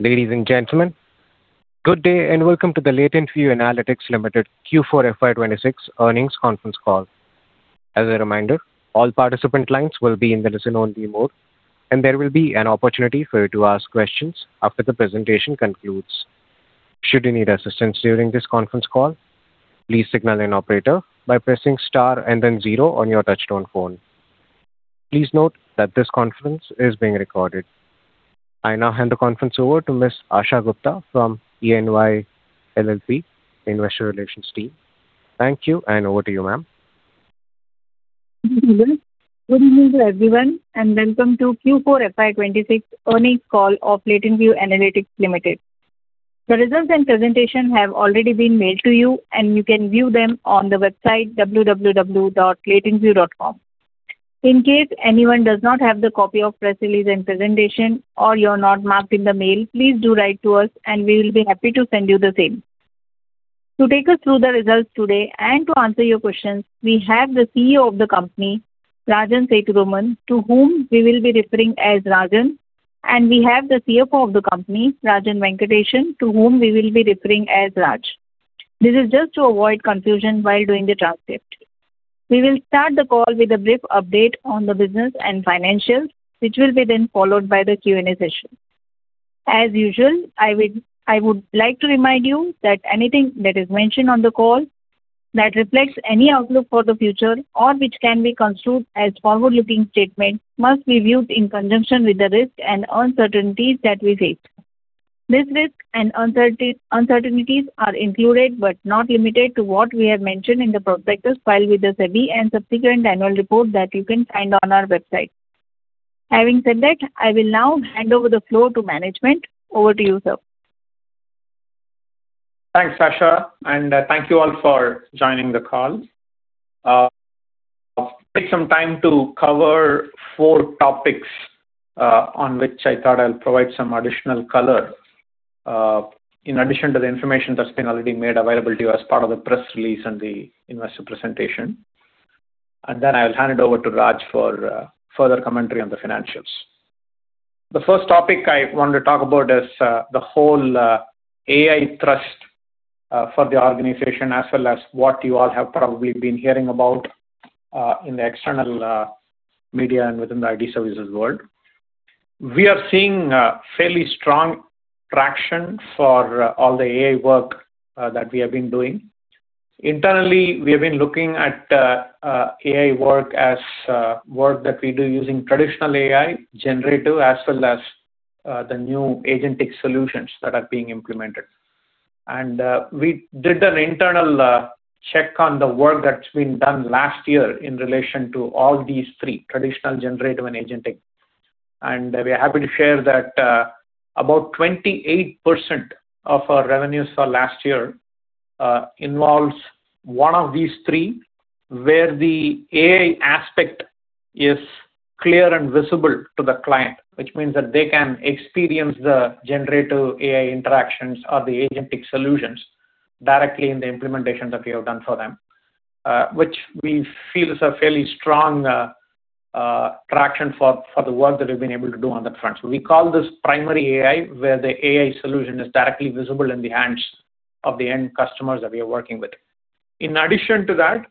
Ladies and gentlemen, good day, and welcome to the LatentView Analytics Limited Q4 FY 2026 earnings conference call. As a reminder, all participant lines will be in the listen-only mode, and there will be an opportunity for you to ask questions after the presentation concludes. Should you need assistance during this conference call, please signal an operator by pressing star and then 0 on your touchtone phone. Please note that this conference is being recorded. I now hand the conference over to Miss Asha Gupta from EY LLP Investor Relations team. Thank you, and over to you, ma'am. Good evening to everyone, and welcome to Q4 FY 2026 earnings call of LatentView Analytics Limited. The results and presentation have already been mailed to you, and you can view them on the website www.latentview.com. In case anyone does not have the copy of press release and presentation, or you're not marked in the mail, please do write to us, and we will be happy to send you the same. To take us through the results today and to answer your questions, we have the CEO of the company, Rajan Sethuraman, to whom we will be referring as Rajan, and we have the CFO of the company, Rajan Venkatesan, to whom we will be referring as Raj. This is just to avoid confusion while doing the transcript. We will start the call with a brief update on the business and financials, which will be then followed by the Q&A session. As usual, I would like to remind you that anything that is mentioned on the call that reflects any outlook for the future or which can be construed as forward-looking statement must be viewed in conjunction with the risks and uncertainties that we face. These risks and uncertainties are included, but not limited to, what we have mentioned in the prospectus filed with the SEBI and subsequent annual report that you can find on our website. Having said that, I will now hand over the floor to management. Over to you, sir. Thanks, Asha. Thank you all for joining the call. I'll take some time to cover four topics, on which I thought I'll provide some additional color, in addition to the information that's been already made available to you as part of the press release and the investor presentation. Then I'll hand it over to Raj for further commentary on the financials. The first topic I want to talk about is the whole AI thrust for the organization, as well as what you all have probably been hearing about in the external media and within the IT services world. We are seeing a fairly strong traction for all the AI work that we have been doing. Internally, we have been looking at AI work as work that we do using traditional AI, generative, as well as the new agentic solutions that are being implemented. We did an internal check on the work that's been done last year in relation to all these three: traditional, generative, and agentic. We are happy to share that about 28% of our revenues for last year involves one of these three, where the AI aspect is clear and visible to the client, which means that they can experience the generative AI interactions or the agentic solutions directly in the implementation that we have done for them. Which we feel is a fairly strong traction for the work that we've been able to do on that front. We call this primary AI, where the AI solution is directly visible in the hands of the end customers that we are working with. In addition to that,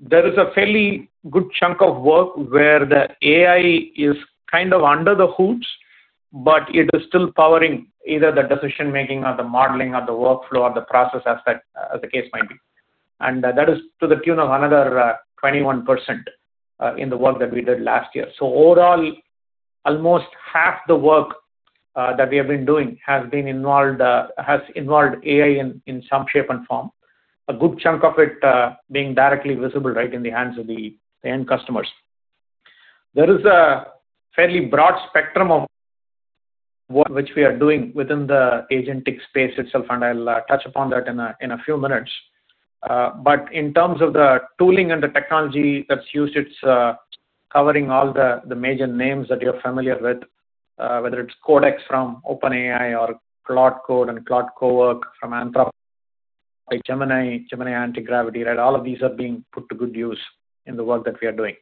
there is a fairly good chunk of work where the AI is kind of under the hoods, but it is still powering either the decision-making or the modeling or the workflow or the process aspect, as the case might be. That is to the tune of another 21% in the work that we did last year. Overall, almost half the work that we have been doing has been involved, has involved AI in some shape and form. A good chunk of it, being directly visible right in the hands of the end customers. There is a fairly broad spectrum of work which we are doing within the agentic space itself, and I'll touch upon that in a few minutes. In terms of the tooling and the technology that's used, it's covering all the major names that you're familiar with, whether it's Codex from OpenAI or Claude Code and Claude CoWork from Anthropic, Gemini, Google Antigravity. All of these are being put to good use in the work that we are doing.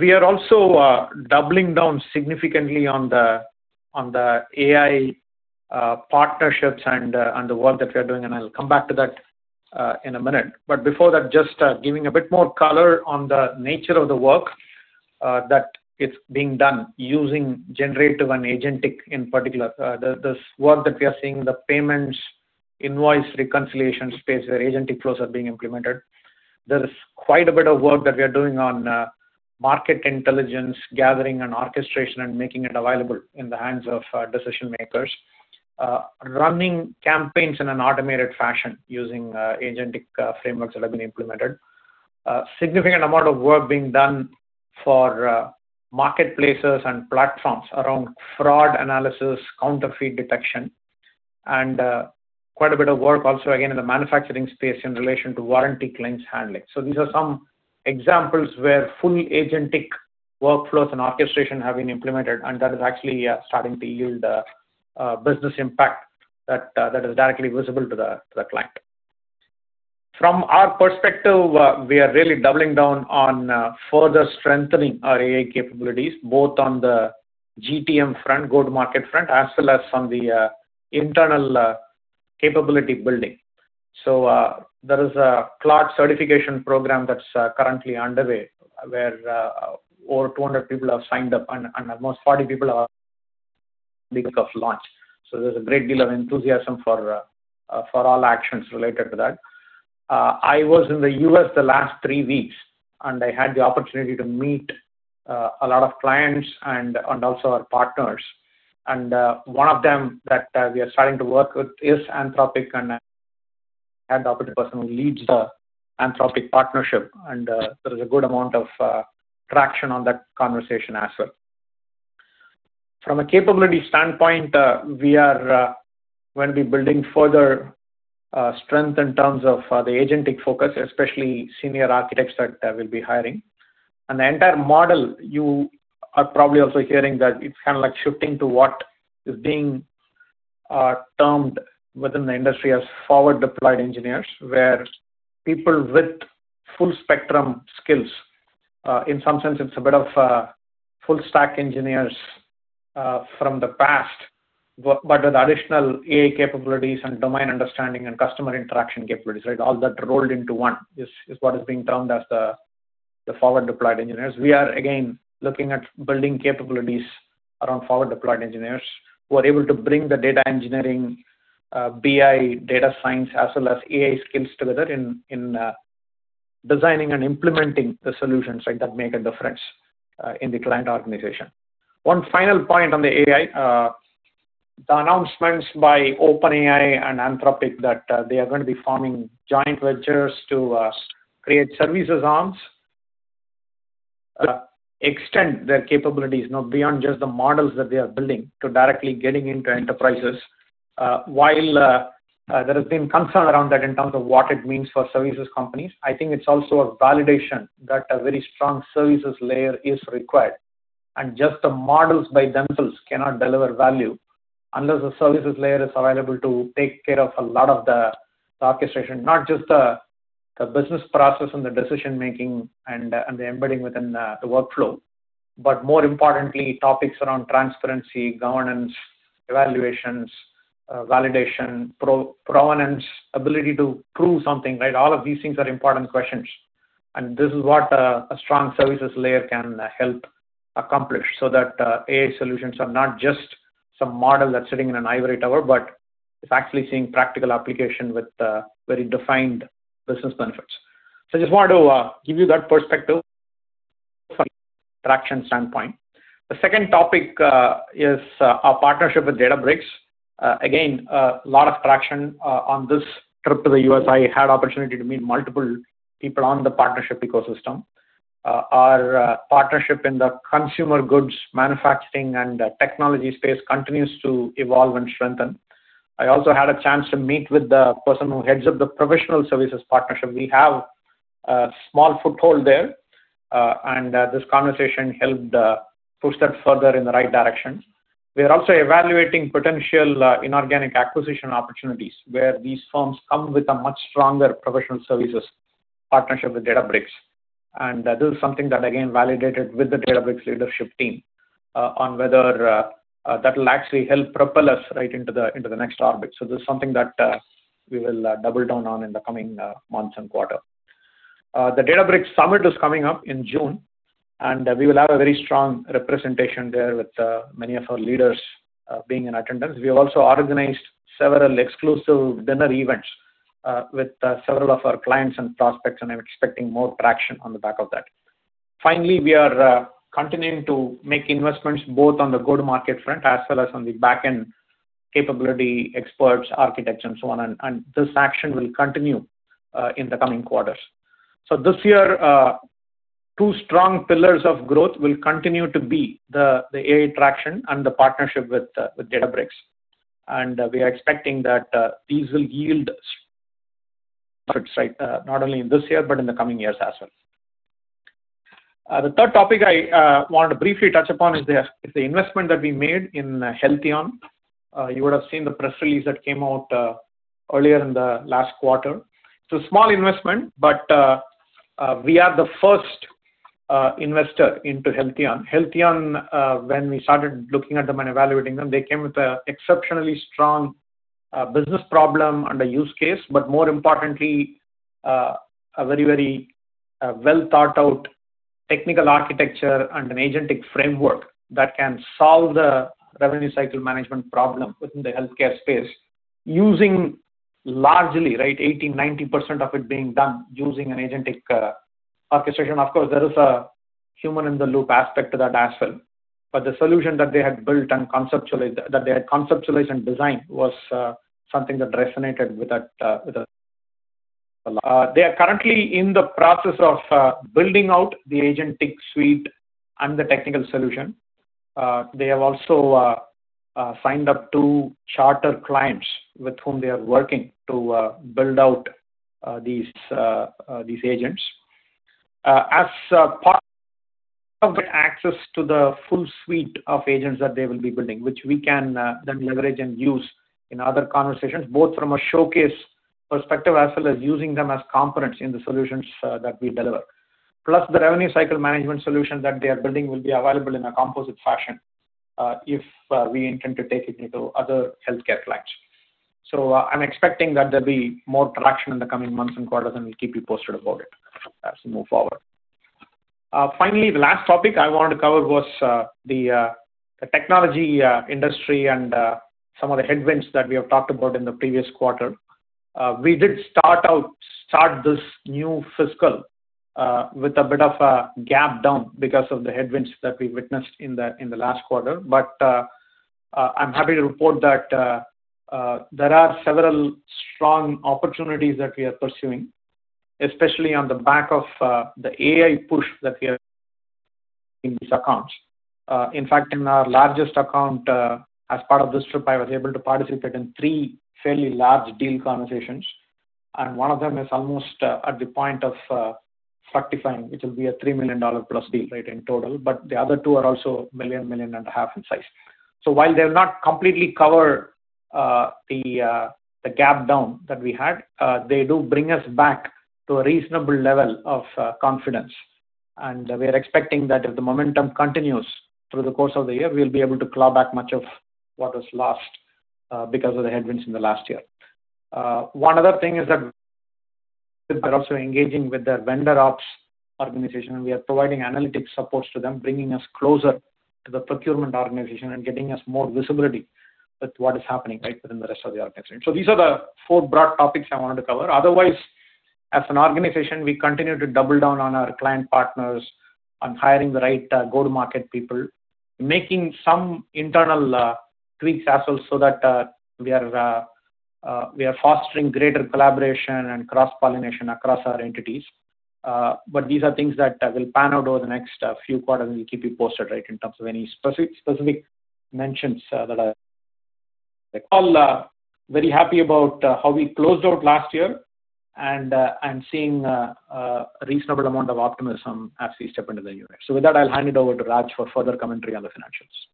We are also doubling down significantly on the AI partnerships and the work that we are doing, and I'll come back to that in a minute. Before that, just giving a bit more color on the nature of the work that is being done using generative and agentic in particular. The work that we are seeing, the payments, invoice reconciliation space where agentic flows are being implemented. There is quite a bit of work that we are doing on market intelligence gathering and orchestration and making it available in the hands of decision-makers. Running campaigns in an automated fashion using agentic frameworks that have been implemented. Significant amount of work being done for marketplaces and platforms around fraud analysis, counterfeit detection, and quite a bit of work also, again, in the manufacturing space in relation to warranty claims handling. These are some examples where full agentic workflows and orchestration have been implemented, and that is actually starting to yield business impact that is directly visible to the client. From our perspective, we are really doubling down on further strengthening our AI capabilities, both on the GTM front, go-to-market front, as well as on the internal capability building. There is a cloud certification program that's currently underway, where over 200 people have signed up and almost 40 people are week of launch. There's a great deal of enthusiasm for all actions related to that. I was in the U.S. the last three weeks, and I had the opportunity to meet a lot of clients and also our partners. One of them that we are starting to work with is Anthropic and had the opportunity person who leads the Anthropic partnership. There is a good amount of traction on that conversation as well. From a capability standpoint, we are going to be building further strength in terms of the agentic focus, especially senior architects that I will be hiring. The entire model, you are probably also hearing that it's kinda like shifting to what is being termed within the industry as forward-deployed engineers, where people with full spectrum skills. In some sense, it's a bit of full stack engineers from the past, but with additional AI capabilities and domain understanding and customer interaction capabilities, right? All that rolled into one is what is being termed as the forward-deployed engineers. We are, again, looking at building capabilities around forward-deployed engineers who are able to bring the data engineering, BI, data science, as well as AI skills together in designing and implementing the solutions, right, that make a difference in the client organization. One final point on the AI, the announcements by OpenAI and Anthropic that they are gonna be forming joint ventures to create services arms, extend their capabilities, you know, beyond just the models that they are building to directly getting into enterprises. While there has been concern around that in terms of what it means for services companies, I think it's also a validation that a very strong services layer is required. Just the models by themselves cannot deliver value unless the services layer is available to take care of a lot of the orchestration, not just the business process and the decision-making and the embedding within the workflow. More importantly, topics around transparency, governance, evaluations, validation, provenance, ability to prove something, right. All of these things are important questions. This is what a strong services layer can help accomplish so that AI solutions are not just some model that's sitting in an ivory tower, but it's actually seeing practical application with very defined business benefits. I just wanted to give you that perspective from traction standpoint. The second topic is our partnership with Databricks. Again, a lot of traction on this trip to the U.S. I had opportunity to meet multiple people on the partnership ecosystem. Our partnership in the consumer goods manufacturing and technology space continues to evolve and strengthen. I also had a chance to meet with the person who heads up the professional services partnership. We have a small foothold there, and this conversation helped push that further in the right direction. We are also evaluating potential inorganic acquisition opportunities, where these firms come with a much stronger professional services partnership with Databricks. That is something that, again, validated with the Databricks leadership team on whether that'll actually help propel us right into the, into the next orbit. This is something that we will double down on in the coming months and quarter. The Databricks Summit is coming up in June, and we will have a very strong representation there with many of our leaders being in attendance. We have also organized several exclusive dinner events with several of our clients and prospects, and I'm expecting more traction on the back of that. Finally, we are continuing to make investments both on the go-to-market front as well as on the back-end capability experts, architects, and so on. This action will continue in the coming quarters. This year, two strong pillars of growth will continue to be the AI traction and the partnership with Databricks. We are expecting that these will yield benefits, right? Not only in this year, but in the coming years as well. The third topic I wanted to briefly touch upon is the investment that we made in Healtheon AI. You would have seen the press release that came out earlier in the last quarter. It's a small investment, but we are the first investor into Healtheon AI. Healtheon AI, when we started looking at them and evaluating them, they came with an exceptionally strong business problem and a use case, but more importantly, a very, very well-thought-out technical architecture and an agentic framework that can solve the revenue cycle management problem within the healthcare space using largely, right, 80%, 90% of it being done using an agentic orchestration. Of course, there is a human in the loop aspect to that as well. The solution that they had built and conceptualized and designed was something that resonated with that, with us a lot. They are currently in the process of building out the agentic suite and the technical solution. They have also signed up two charter clients with whom they are working to build out these agents. Access to the full suite of agents that they will be building, which we can then leverage and use in other conversations, both from a showcase perspective as well as using them as components in the solutions that we deliver. The revenue cycle management solution that they are building will be available in a composite fashion, if we intend to take it into other healthcare flags. I'm expecting that there'll be more traction in the coming months and quarters, and we'll keep you posted about it as we move forward. Finally, the last topic I wanted to cover was the technology industry and some of the headwinds that we have talked about in the previous quarter. We did start this new fiscal with a bit of a gap down because of the headwinds that we witnessed in the last quarter. I'm happy to report that there are several strong opportunities that we are pursuing, especially on the back of the AI push that we are in these accounts. In fact, in our largest account, as part of this trip, I was able to participate in three fairly large deal conversations, and one of them is almost at the point of fructifying, which will be a $3 million+ deal, right, in total. The other two are also $1 million, $1.5 million in size. While they've not completely covered the gap down that we had, they do bring us back to a reasonable level of confidence. We are expecting that if the momentum continues through the course of the year, we'll be able to claw back much of what was lost because of the headwinds in the last year. One other thing is that we're also engaging with their vendor ops organization, and we are providing analytics supports to them, bringing us closer to the procurement organization and getting us more visibility with what is happening, right, within the rest of the organization. These are the four broad topics I wanted to cover. Otherwise, as an organization, we continue to double down on our client partners on hiring the right go-to-market people, making some internal tweaks as well, so that we are fostering greater collaboration and cross-pollination across our entities. These are things that will pan out over the next few quarters, and we'll keep you posted, right, in terms of any specific mentions that are all very happy about how we closed out last year and seeing a reasonable amount of optimism as we step into the new year. With that, I'll hand it over to Raj for further commentary on the financials.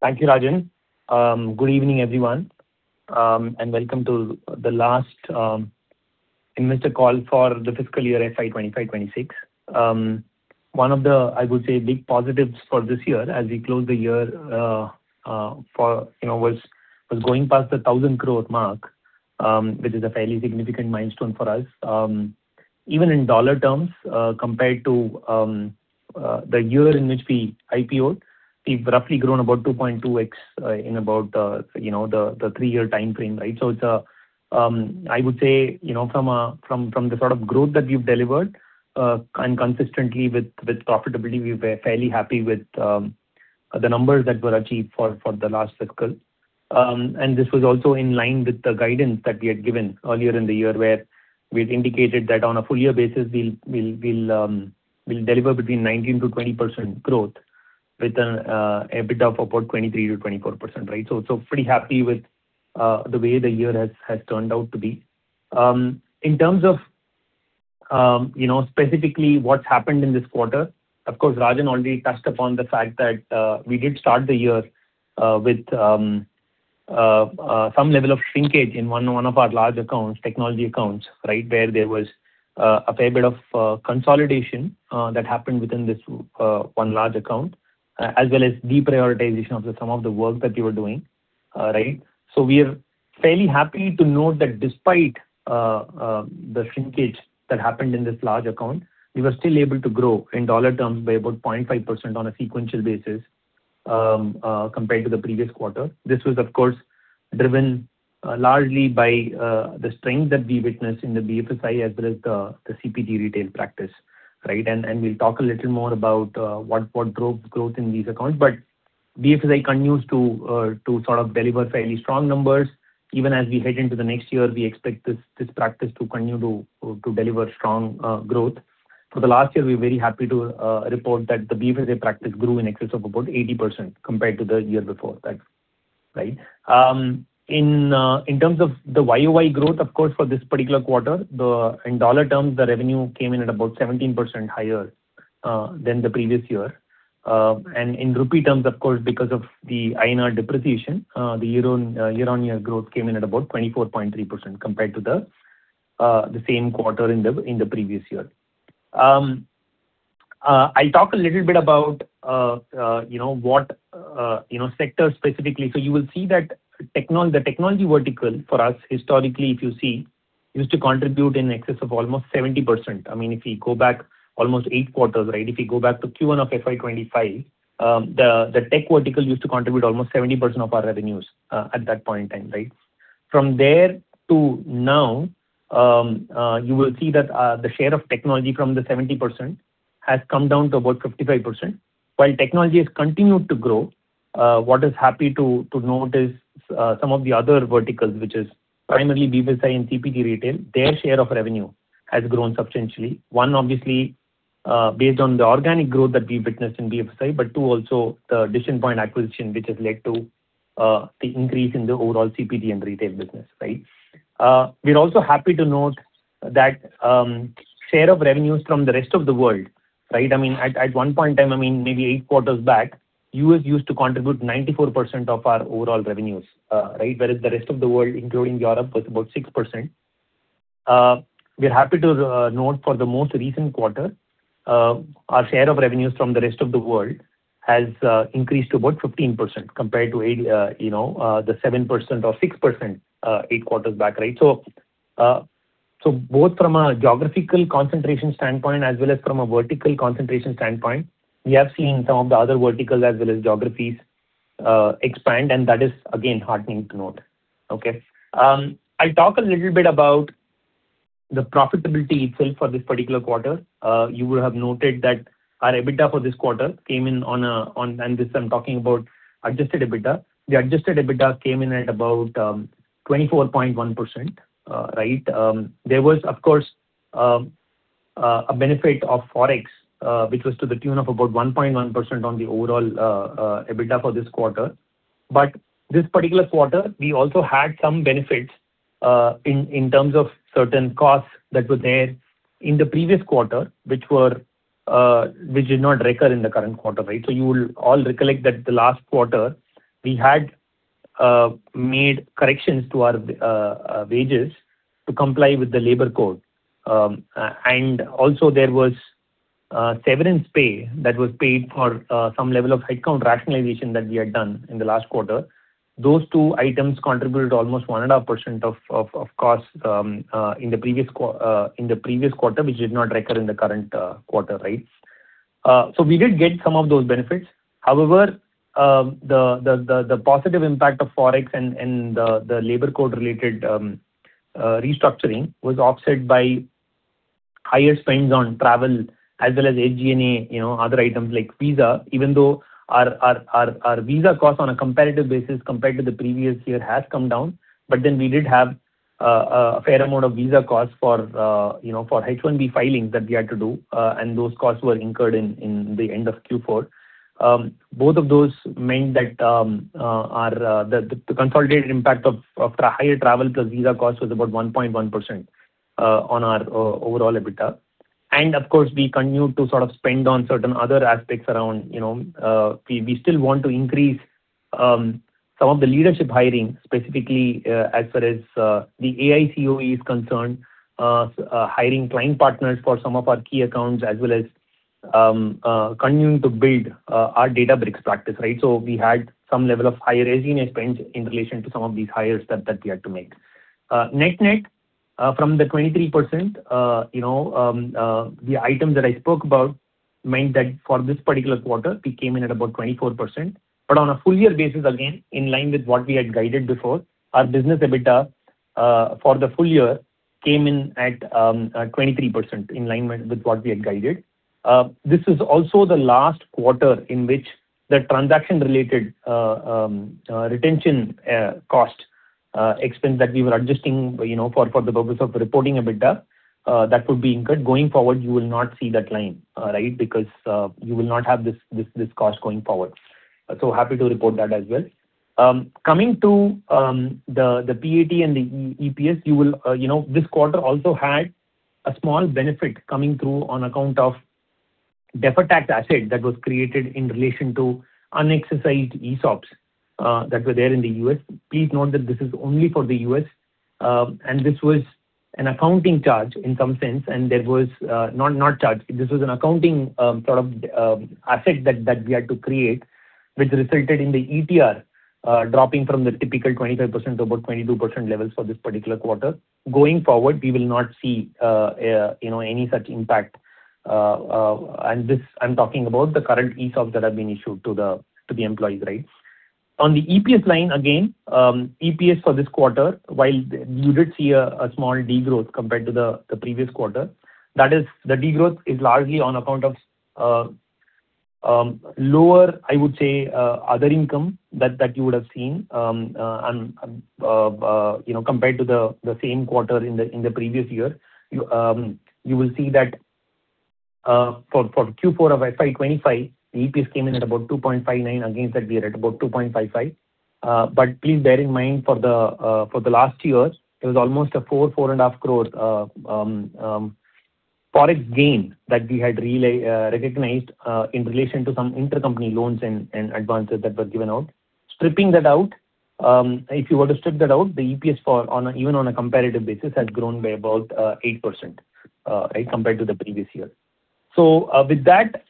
Thank you, Rajan. Good evening, everyone, and welcome to the last investor call for the fiscal year FY 2025/2026. One of the, I would say, big positives for this year as we close the year, you know, was going past the 1,000 crore mark, which is a fairly significant milestone for us. Even in dollar terms, compared to the year in which we IPO'd, we've roughly grown about 2.2x in about, you know, the three-year timeframe, right? It's, I would say, you know, from the sort of growth that we've delivered and consistently with profitability. We were fairly happy with the numbers that were achieved for the last fiscal. This was also in line with the guidance that we had given earlier in the year, where we had indicated that on a full year basis, we'll deliver between 19%-20% growth with an EBITDA of about 23%-24%, right. Pretty happy with the way the year has turned out to be. In terms of, you know, specifically what's happened in this quarter, of course, Rajan already touched upon the fact that we did start the year with some level of shrinkage in one of our large accounts, technology accounts, right. Where there was a fair bit of consolidation that happened within this one large account, as well as deprioritization of some of the work that we were doing, right. We are fairly happy to note that despite the shrinkage that happened in this large account, we were still able to grow in dollar terms by about 0.5% on a sequential basis compared to the previous quarter. This was, of course, driven largely by the strength that we witnessed in the BFSI as well as the CPG retail practice. We'll talk a little more about what drove growth in these accounts. BFSI continues to sort of deliver fairly strong numbers. Even as we head into the next year, we expect this practice to continue to deliver strong growth. For the last year, we're very happy to report that the BFSI practice grew in excess of about 80% compared to the year before that. In terms of the year-over-year growth, of course, for this particular quarter, in USD terms, the revenue came in at about 17% higher than the previous year. In INR terms, of course, because of the INR depreciation, the year-over-year growth came in at about 24.3% compared to the same quarter in the previous year. I'll talk a little bit about, you know, what, you know, sectors specifically. You will see that the technology vertical for us historically, if you see, used to contribute in excess of almost 70%. I mean, if you go back almost eight quarters, right? If you go back to Q1 of FY 2025, the tech vertical used to contribute almost 70% of our revenues at that point in time, right. From there to now, you will see that the share of technology from the 70% has come down to about 55%. While technology has continued to grow, what is happy to note is some of the other verticals, which is primarily BFSI and CPG retail, their share of revenue has grown substantially. One, obviously, based on the organic growth that we witnessed in BFSI, but two, also the Decision Point acquisition, which has led to the increase in the overall CPG and retail business, right. We're also happy to note that share of revenues from the rest of the world, right. I mean, at one point in time, I mean, maybe eight quarters back, U.S. used to contribute 94% of our overall revenues, right? The rest of the world, including Europe, was about 6%. We're happy to note for the most recent quarter, our share of revenues from the rest of the world has increased to about 15% compared to 8%, you know, the 7% or 6%, eight quarters back. Right? Both from a geographical concentration standpoint as well as from a vertical concentration standpoint, we have seen some of the other verticals as well as geographies expand, and that is again heartening to note. Okay. I'll talk a little bit about the profitability itself for this particular quarter. You would have noted that our EBITDA for this quarter came in. This I'm talking about adjusted EBITDA. The adjusted EBITDA came in at about 24.1%. Right. There was of course a benefit of Forex, which was to the tune of about 1.1% on the overall EBITDA for this quarter. This particular quarter, we also had some benefits in terms of certain costs that were there in the previous quarter, which did not recur in the current quarter. Right. You will all recollect that the last quarter we had made corrections to our wages to comply with the labor code. And also there was severance pay that was paid for some level of headcount rationalization that we had done in the last quarter. Those two items contributed almost 1.5% of costs in the previous quarter, which did not recur in the current quarter, right? We did get some of those benefits. However, the positive impact of Forex and the labor code related restructuring was offset by higher spends on travel as well as SG&A, you know, other items like visa. Even though our visa costs on a comparative basis compared to the previous year has come down. We did have a fair amount of visa costs for, you know, for H-1B filings that we had to do, and those costs were incurred in the end of Q4. Both of those meant that our the consolidated impact of the higher travel plus visa costs was about 1.1% on our overall EBITDA. Of course, we continued to sort of spend on certain other aspects around, you know, we still want to increase some of the leadership hiring specifically as far as the AI COE is concerned. Hiring client partners for some of our key accounts as well as continuing to build our Databricks practice, right? We had some level of higher agency spends in relation to some of these hires that we had to make. Net-net, from the 23%, you know, the items that I spoke about meant that for this particular quarter we came in at about 24%. On a full year basis, again, in line with what we had guided before, our business EBITDA for the full year came in at 23% in line with what we had guided. This is also the last quarter in which the transaction-related retention cost expense that we were adjusting, you know, for the purpose of reporting EBITDA, that would be incurred. Going forward, you will not see that line, right? Because you will not have this cost going forward. Happy to report that as well. Coming to the PAT and the EPS, this quarter also had a small benefit coming through on account of deferred tax asset that was created in relation to unexercised ESOPs that were there in the U.S. Please note that this is only for the U.S., and this was an accounting charge in some sense. This was an accounting asset we had to create, which resulted in the ETR dropping from the typical 25% to about 22% levels for this particular quarter. Going forward, we will not see any such impact. And this, I'm talking about the current ESOPs that have been issued to the employees, right? On the EPS line again, EPS for this quarter, while you did see a small degrowth compared to the previous quarter. That is, the degrowth is largely on account of lower, I would say, other income that you would have seen. Compared to the same quarter in the previous year. You will see that for Q4 of FY 2025, the EPS came in at about 2.59. Against that we are at about 2.55. Please bear in mind for the last two years, there was almost a 4.5 crore Forex gain that we had really recognized in relation to some intercompany loans and advances that were given out. Stripping that out, if you were to strip that out, the EPS for on a even on a comparative basis has grown by about 8%, right, compared to the previous year. With that,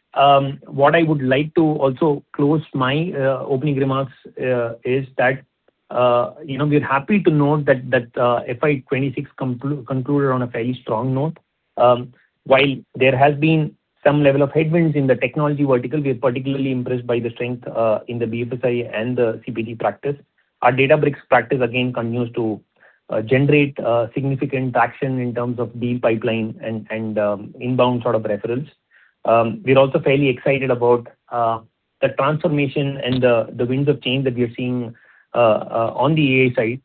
what I would like to also close my opening remarks is that, you know, we're happy to note that FY 2026 concluded on a fairly strong note. While there has been some level of headwinds in the technology vertical, we are particularly impressed by the strength in the BFSI and the CPG practice. Our Databricks practice again continues to generate significant traction in terms of deal pipeline and, inbound sort of reference. We're also fairly excited about the transformation and the winds of change that we are seeing on the AI side.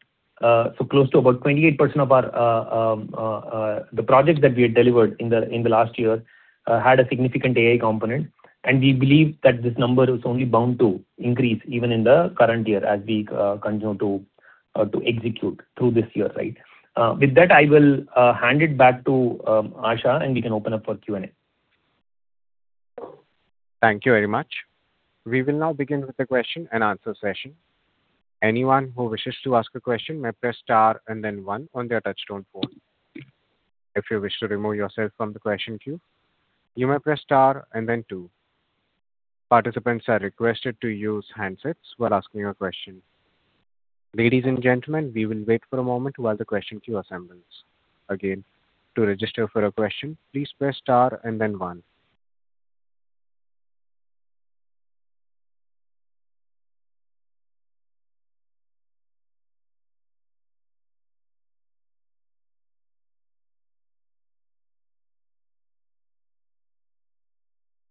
Close to about 28% of our the projects that we had delivered in the last year had a significant AI component. We believe that this number is only bound to increase even in the current year as we continue to execute through this year, right? With that, I will hand it back to Asha, and we can open up for Q&A. Thank you very much. We will now begin with the question and answer session. Anyone who wishes to ask a question may press star and then one on their touchtone phone. If you wish to remove yourself from the question queue, you may press star and then two. Participants are requested to use handsets while asking a question. Ladies and gentlemen, we will wait for a moment while the question queue assembles. Again, to register for a question, please press star and then one.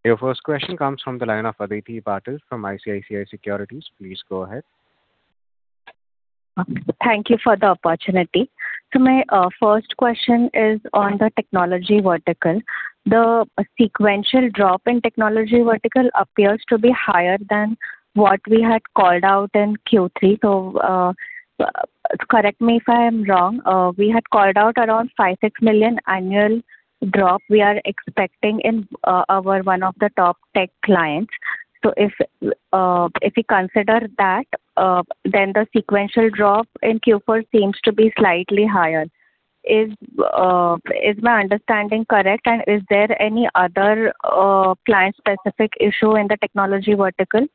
Your first question comes from the line of Aditi Patil from ICICI Securities. Please go ahead. Thank you for the opportunity. My first question is on the technology vertical. The sequential drop in technology vertical appears to be higher than what we had called out in Q3. Correct me if I am wrong, we had called out around $5 million-$6 million annual drop we are expecting in our one of the top tech clients. If we consider that, then the sequential drop in Q4 seems to be slightly higher. Is my understanding correct? Is there any other client-specific issue in the technology vertical?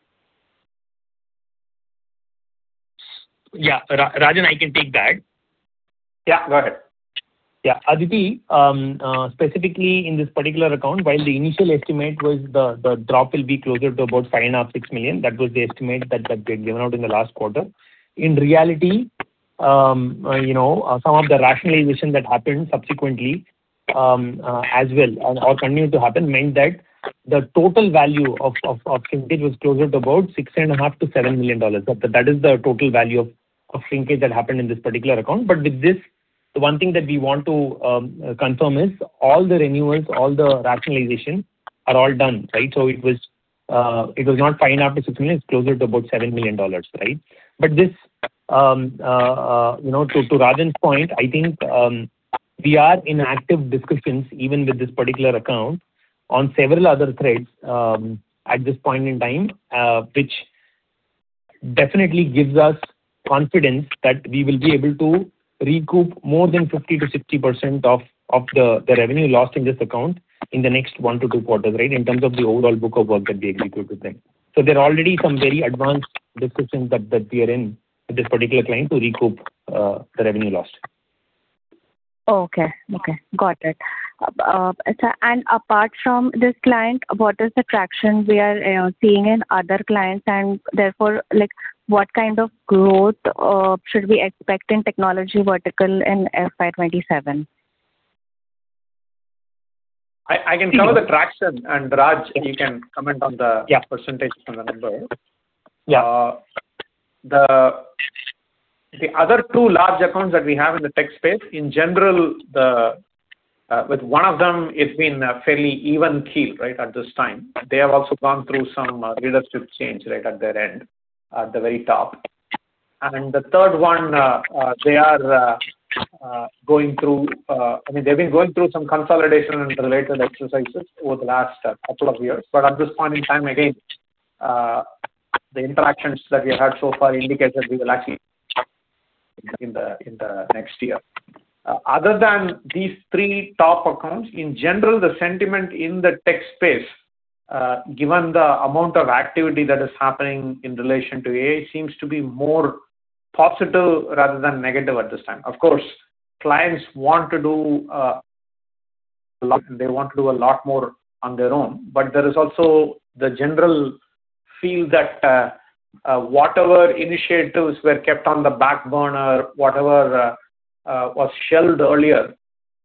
Yeah. Rajan, I can take that. Yeah, go ahead. Aditi, specifically in this particular account, while the initial estimate was the drop will be closer to about $5.5 million, $6 million. That was the estimate that we had given out in the last quarter. In reality, some of the rationalization that happened subsequently as well or continued to happen meant that the total value of shrinkage was closer to about $6.5 million-$7 million. That is the total value of shrinkage that happened in this particular account. With this, the one thing that we want to confirm is all the renewals, all the rationalization are all done, right? It was not $5.5 million-$6 million. It's closer to about $7 million, right? This, you know, to Rajan's point, I think, we are in active discussions even with this particular account on several other threads, at this point in time, which definitely gives us confidence that we will be able to recoup more than 50%-60% of the revenue lost in this account in the next one to two quarters. In terms of the overall book of work that we have recruited then. There are already some very advanced discussions that we are in with this particular client to recoup the revenue lost. Okay. Okay. Got it. Sir, apart from this client, what is the traction we are seeing in other clients, and therefore, like, what kind of growth should we expect in technology vertical in FY 2027? I can cover the traction. Raj, you can comment on the. Yeah. percentage on the number. Yeah. The other two large accounts that we have in the tech space, in general, with one of them, it's been a fairly even keel, right? At this time. They have also gone through some leadership change right at their end, at the very top. The third one, they are going through, I mean, they've been going through some consolidation and related exercises over the last couple of years. At this point in time, again, the interactions that we've had so far indicate that we will actually in the, in the next year. Other than these three top accounts, in general, the sentiment in the tech space, given the amount of activity that is happening in relation to AI seems to be more positive rather than negative at this time. Of course, clients want to do a lot more on their own. There is also the general feel that whatever initiatives were kept on the back burner, whatever was shelved earlier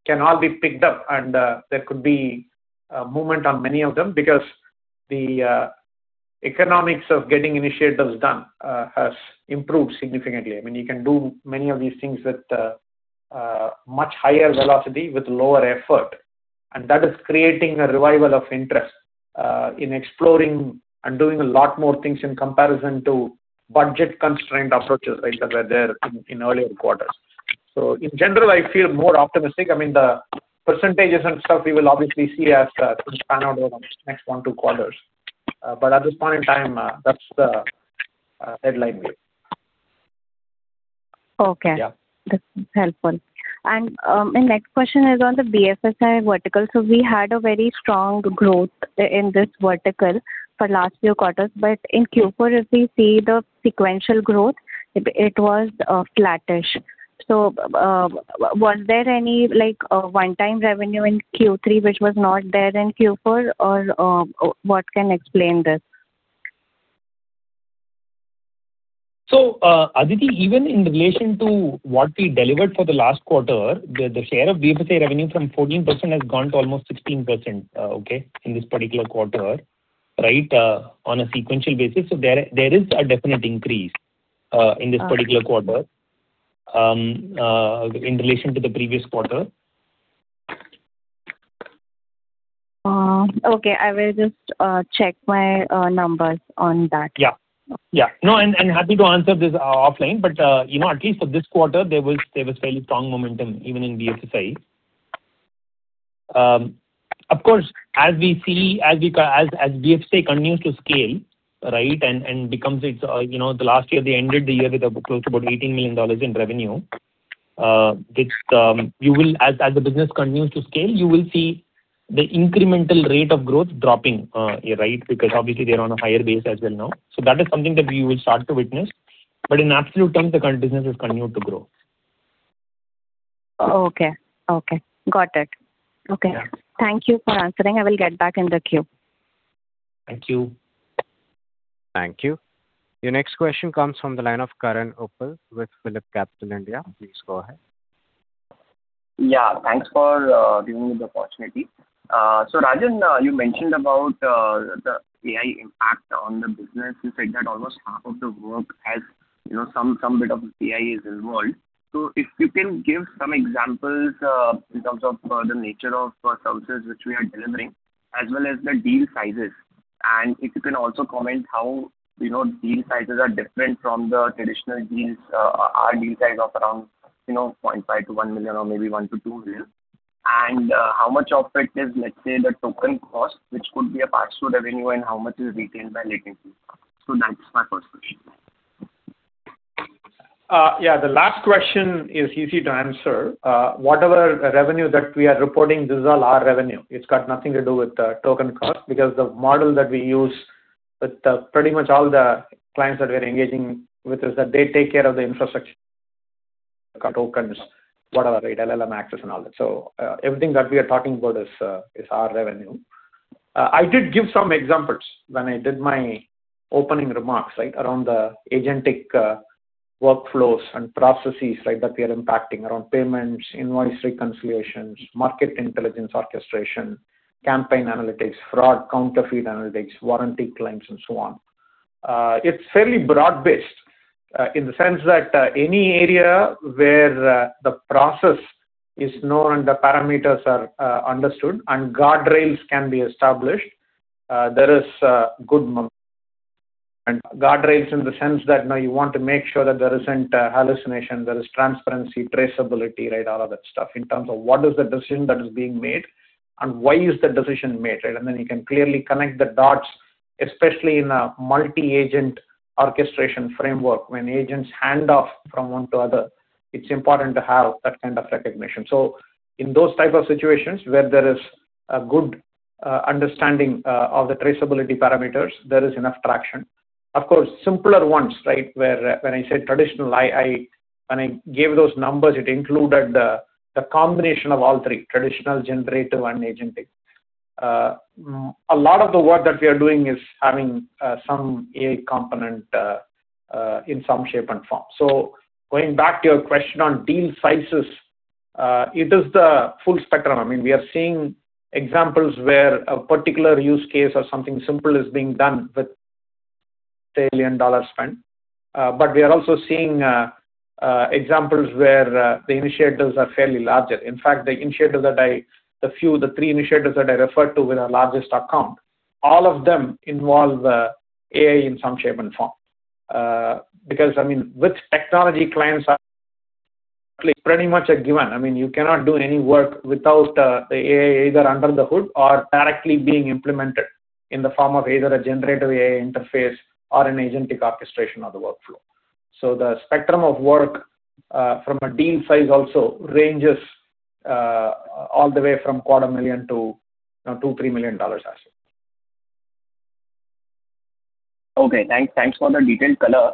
can all be picked up and there could be a movement on many of them because the economics of getting initiatives done has improved significantly. I mean, you can do many of these things with much higher velocity with lower effort, and that is creating a revival of interest in exploring and doing a lot more things in comparison to budget-constrained approaches, right? That were there in earlier quarters. In general, I feel more optimistic. I mean, the percentages and stuff we will obviously see as things pan out over the next one, two quarters. At this point in time, that's the headline view. Okay. Yeah. That's helpful. My next question is on the BFSI vertical. We had a very strong growth in this vertical for last few quarters, but in Q4, if we see the sequential growth, it was flattish. Was there any, like, 1x revenue in Q3 which was not there in Q4 or what can explain this? Aditi, even in relation to what we delivered for the last quarter, the share of BFSI revenue from 14% has gone to almost 16% in this particular quarter. On a sequential basis, there is a definite increase. In this particular quarter, in relation to the previous quarter. Okay. I will just check my numbers on that. Yeah. Yeah. No, and happy to answer this offline, but, you know, at least for this quarter, there was fairly strong momentum even in BFSI. Of course, as we see, as BFSI continues to scale, right, and becomes its, you know, the last year, they ended the year with a close to about $18 million in revenue. As the business continues to scale, you will see the incremental rate of growth dropping, right, because obviously they're on a higher base as well now. That is something that we will start to witness. In absolute terms, the business will continue to grow. Okay. Okay. Got it. Okay. Yeah. Thank you for answering. I will get back in the queue. Thank you. Thank you. Your next question comes from the line of Karan Uppal with PhillipCapital India. Please go ahead. Thanks for giving me the opportunity. Rajan, you mentioned about the AI impact on the business. You said that almost half of the work has, you know, some bit of AI is involved. If you can give some examples in terms of the nature of services which we are delivering, as well as the deal sizes. If you can also comment how, you know, deal sizes are different from the traditional deals. Our deal size of around, you know, 0.5 million-1 million or maybe 1 million-2 million. How much of it is, let's say, the token cost, which could be a part to the revenue and how much is retained by LatentView. That is my first question. The last question is easy to answer. Whatever revenue that we are reporting, this is all our revenue. It's got nothing to do with the token cost because the model that we use with pretty much all the clients that we're engaging with is that they take care of the infrastructure tokens, whatever, right, LLM access and all that. Everything that we are talking about is our revenue. I did give some examples when I did my opening remarks, right? Around the agentic workflows and processes, right, that we are impacting around payments, invoice reconciliations, market intelligence orchestration, campaign analytics, fraud, counterfeit analytics, warranty claims, and so on. It's fairly broad-based, in the sense that any area where the process is known, the parameters are understood and guardrails can be established, there is good. Guardrails in the sense that, you know, you want to make sure that there isn't a hallucination, there is transparency, traceability, right, all of that stuff, in terms of what is the decision that is being made and why is the decision made, right? You can clearly connect the dots, especially in a multi-agent orchestration framework. When agents hand off from one to other, it's important to have that kind of recognition. In those type of situations where there is a good understanding of the traceability parameters, there is enough traction. Of course, simpler ones, right, where, when I said traditional, when I gave those numbers, it included the combination of all three: traditional, generative and agentic. A lot of the work that we are doing is having some AI component in some shape and form. Going back to your question on deal sizes, it is the full spectrum. I mean, we are seeing examples where a particular use case or something simple is being done with a $1 million spend. But we are also seeing examples where the initiatives are fairly larger. In fact, the initiative that I the 3 initiatives that I referred to with our largest account, all of them involve AI in some shape and form. Because I mean, with technology, clients are pretty much a given. I mean, you cannot do any work without the AI either under the hood or directly being implemented in the form of either a generative AI interface or an agentic orchestration of the workflow. The spectrum of work from a deal size also ranges all the way from $250,000 to, you know, $2 million, $3 million or so. Okay. Thanks, thanks for the detailed color.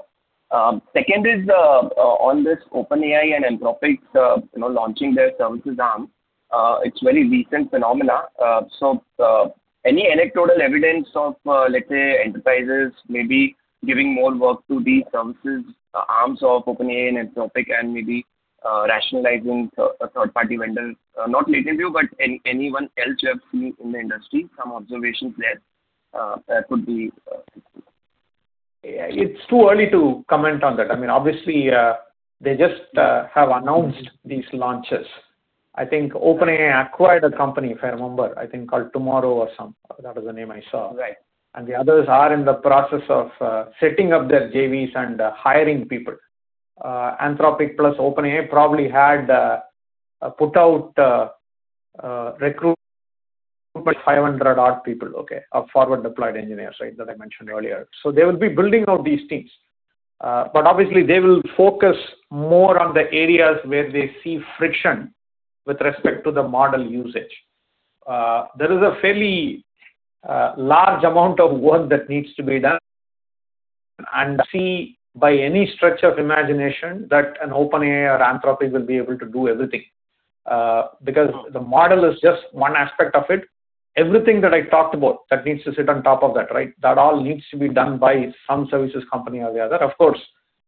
Second is, on this OpenAI and Anthropic, you know, launching their services arm. It is very recent phenomena. Any anecdotal evidence of, let's say, enterprises maybe giving more work to these services, arms of OpenAI and Anthropic and maybe, rationalizing a third-party vendor? Not LatentView, but anyone else you have seen in the industry, some observations there. It's too early to comment on that. I mean, obviously, they just have announced these launches. I think OpenAI acquired a company, if I remember, I think called Tomoro. That was the name I saw. Right. The others are in the process of setting up their JVs and hiring people. Anthropic plus OpenAI probably had put out recruit 500 odd people, okay. Of forward-deployed engineers, right, that I mentioned earlier. They will be building out these teams. Obviously they will focus more on the areas where they see friction with respect to the model usage. There is a fairly large amount of work that needs to be done. See, by any stretch of imagination, that an OpenAI or Anthropic will be able to do everything. Because the model is just one aspect of it. Everything that I talked about, that needs to sit on top of that, right? That all needs to be done by some services company or the other. Of course,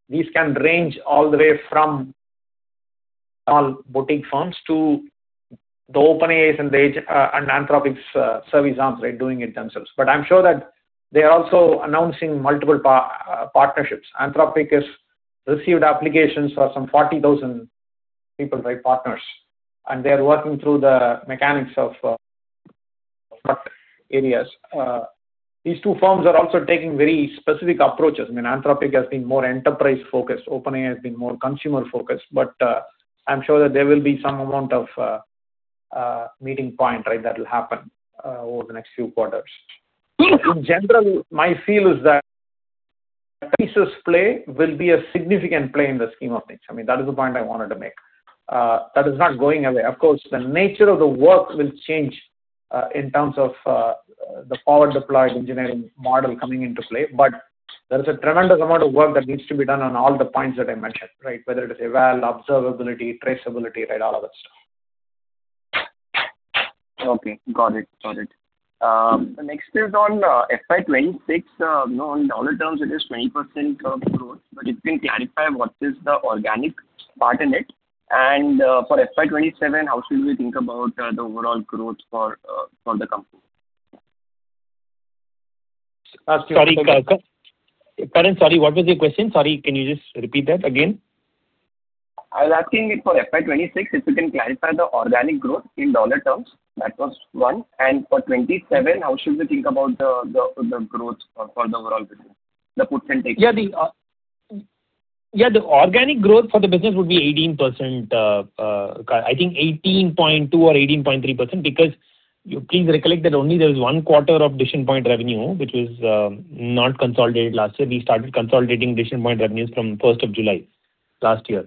these can range all the way from all boutique firms to the OpenAI and Anthropic's service arms, right, doing it themselves. I'm sure that they are also announcing multiple partnerships. Anthropic has received applications for some 40,000 people, right, partners, and they're working through the mechanics of areas. These two firms are also taking very specific approaches. I mean Anthropic has been more enterprise-focused, OpenAI has been more consumer-focused. I'm sure that there will be some amount of meeting point, right, that'll happen over the next few quarters. In general, my feel is that pieces play will be a significant play in the scheme of things. I mean, that is the point I wanted to make. That is not going away. Of course, the nature of the work will change, in terms of, the forward-deployed engineering model coming into play. There is a tremendous amount of work that needs to be done on all the points that I mentioned, right. Whether it is eval, observability, traceability, right, all of that stuff. Okay. Got it. Got it. Next is on FY 2026. In dollar terms it is 20% of growth, but if you can clarify what is the organic part in it. For FY 2027, how should we think about the overall growth for the company? Ask your- Sorry, Karan. Karan, sorry, what was your question? Sorry, can you just repeat that again? I was asking if for FY 2026, if you can clarify the organic growth in USD terms. That was one. For 2027, how should we think about the growth for the overall business? The puts and takes. The organic growth for the business would be 18%, I think 18.2% or 18.3% because you please recollect that only there was one quarter of Decision Point revenue which was not consolidated last year. We started consolidating Decision Point revenues from 1st of July last year.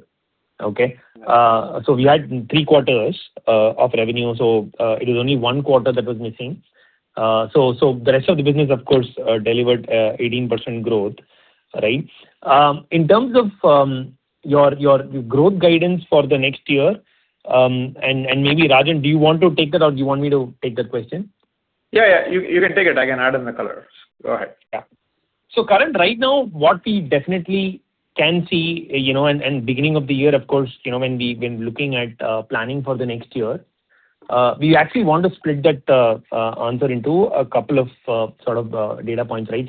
Okay? We had three quarters of revenue. It was only one quarter that was missing. The rest of the business of course delivered 18% growth, right? In terms of your growth guidance for the next year, maybe Rajan, do you want to take that or do you want me to take that question? Yeah, you can take it. I can add in the colors. Go ahead. Yeah. Karan, right now what we definitely can see, you know, and beginning of the year, of course, you know, when we've been looking at planning for the next year, we actually want to split that answer into a couple of sort of data points, right?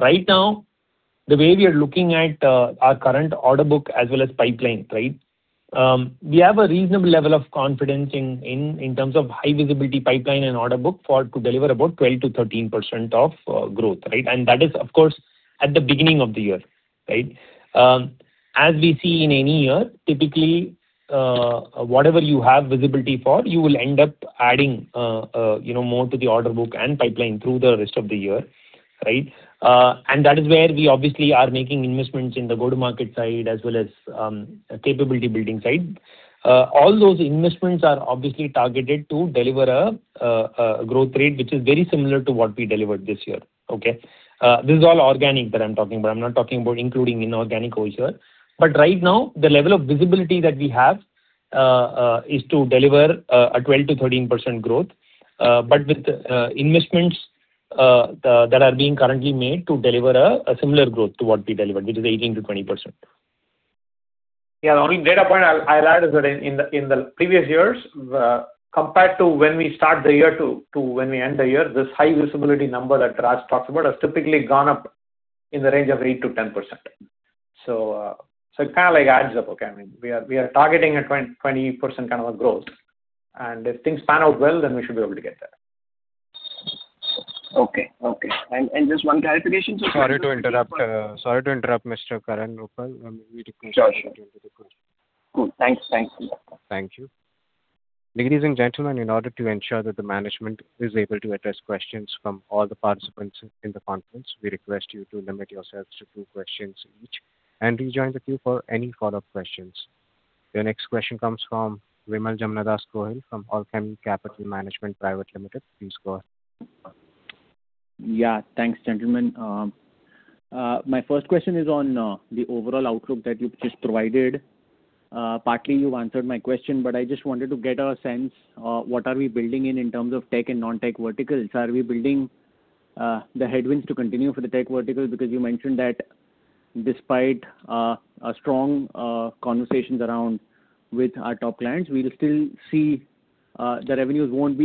Right now, the way we are looking at our current order book as well as pipeline, right? We have a reasonable level of confidence in terms of high visibility pipeline and order book to deliver about 12%-13% of growth, right? That is of course at the beginning of the year, right? As we see in any year, typically, whatever you have visibility for, you will end up adding more to the order book and pipeline through the rest of the year. And that is where we obviously are making investments in the go-to-market side as well as capability building side. All those investments are obviously targeted to deliver a growth rate which is very similar to what we delivered this year. This is all organic that I'm talking about. I'm not talking about including inorganic over here. Right now, the level of visibility that we have is to deliver a 12%-13% growth. With investments that are being currently made to deliver a similar growth to what we delivered, which is 18%-20%. Yeah, the only data point I'll add is that in the previous years, compared to when we start the year to when we end the year, this high visibility number that Raj talks about has typically gone up in the range of 8%-10%. It kind of like adds up, okay. I mean, we are targeting a 20% kind of a growth. If things pan out well, then we should be able to get there. Okay. Okay. Just one clarification. Sorry to interrupt. Sorry to interrupt, Mr. Karan Uppal. We request you to enter the question. Sure, sure. Cool. Thanks. Thanks. Thank you. Ladies and gentlemen, in order to ensure that the management is able to address questions from all the participants in the conference, we request you to limit yourselves to two questions each and rejoin the queue for any follow-up questions. The next question comes from Vimal Jamnadas Gohil from Alchemy Capital Management Pvt Ltd. Please go ahead. Yeah. Thanks, gentlemen. My first question is on the overall outlook that you just provided. Partly you answered my question. I just wanted to get a sense, what are we building in terms of tech and non-tech verticals. Are we building the headwinds to continue for the tech verticals? You mentioned that despite a strong conversations around with our top clients, we'll still see the revenues won't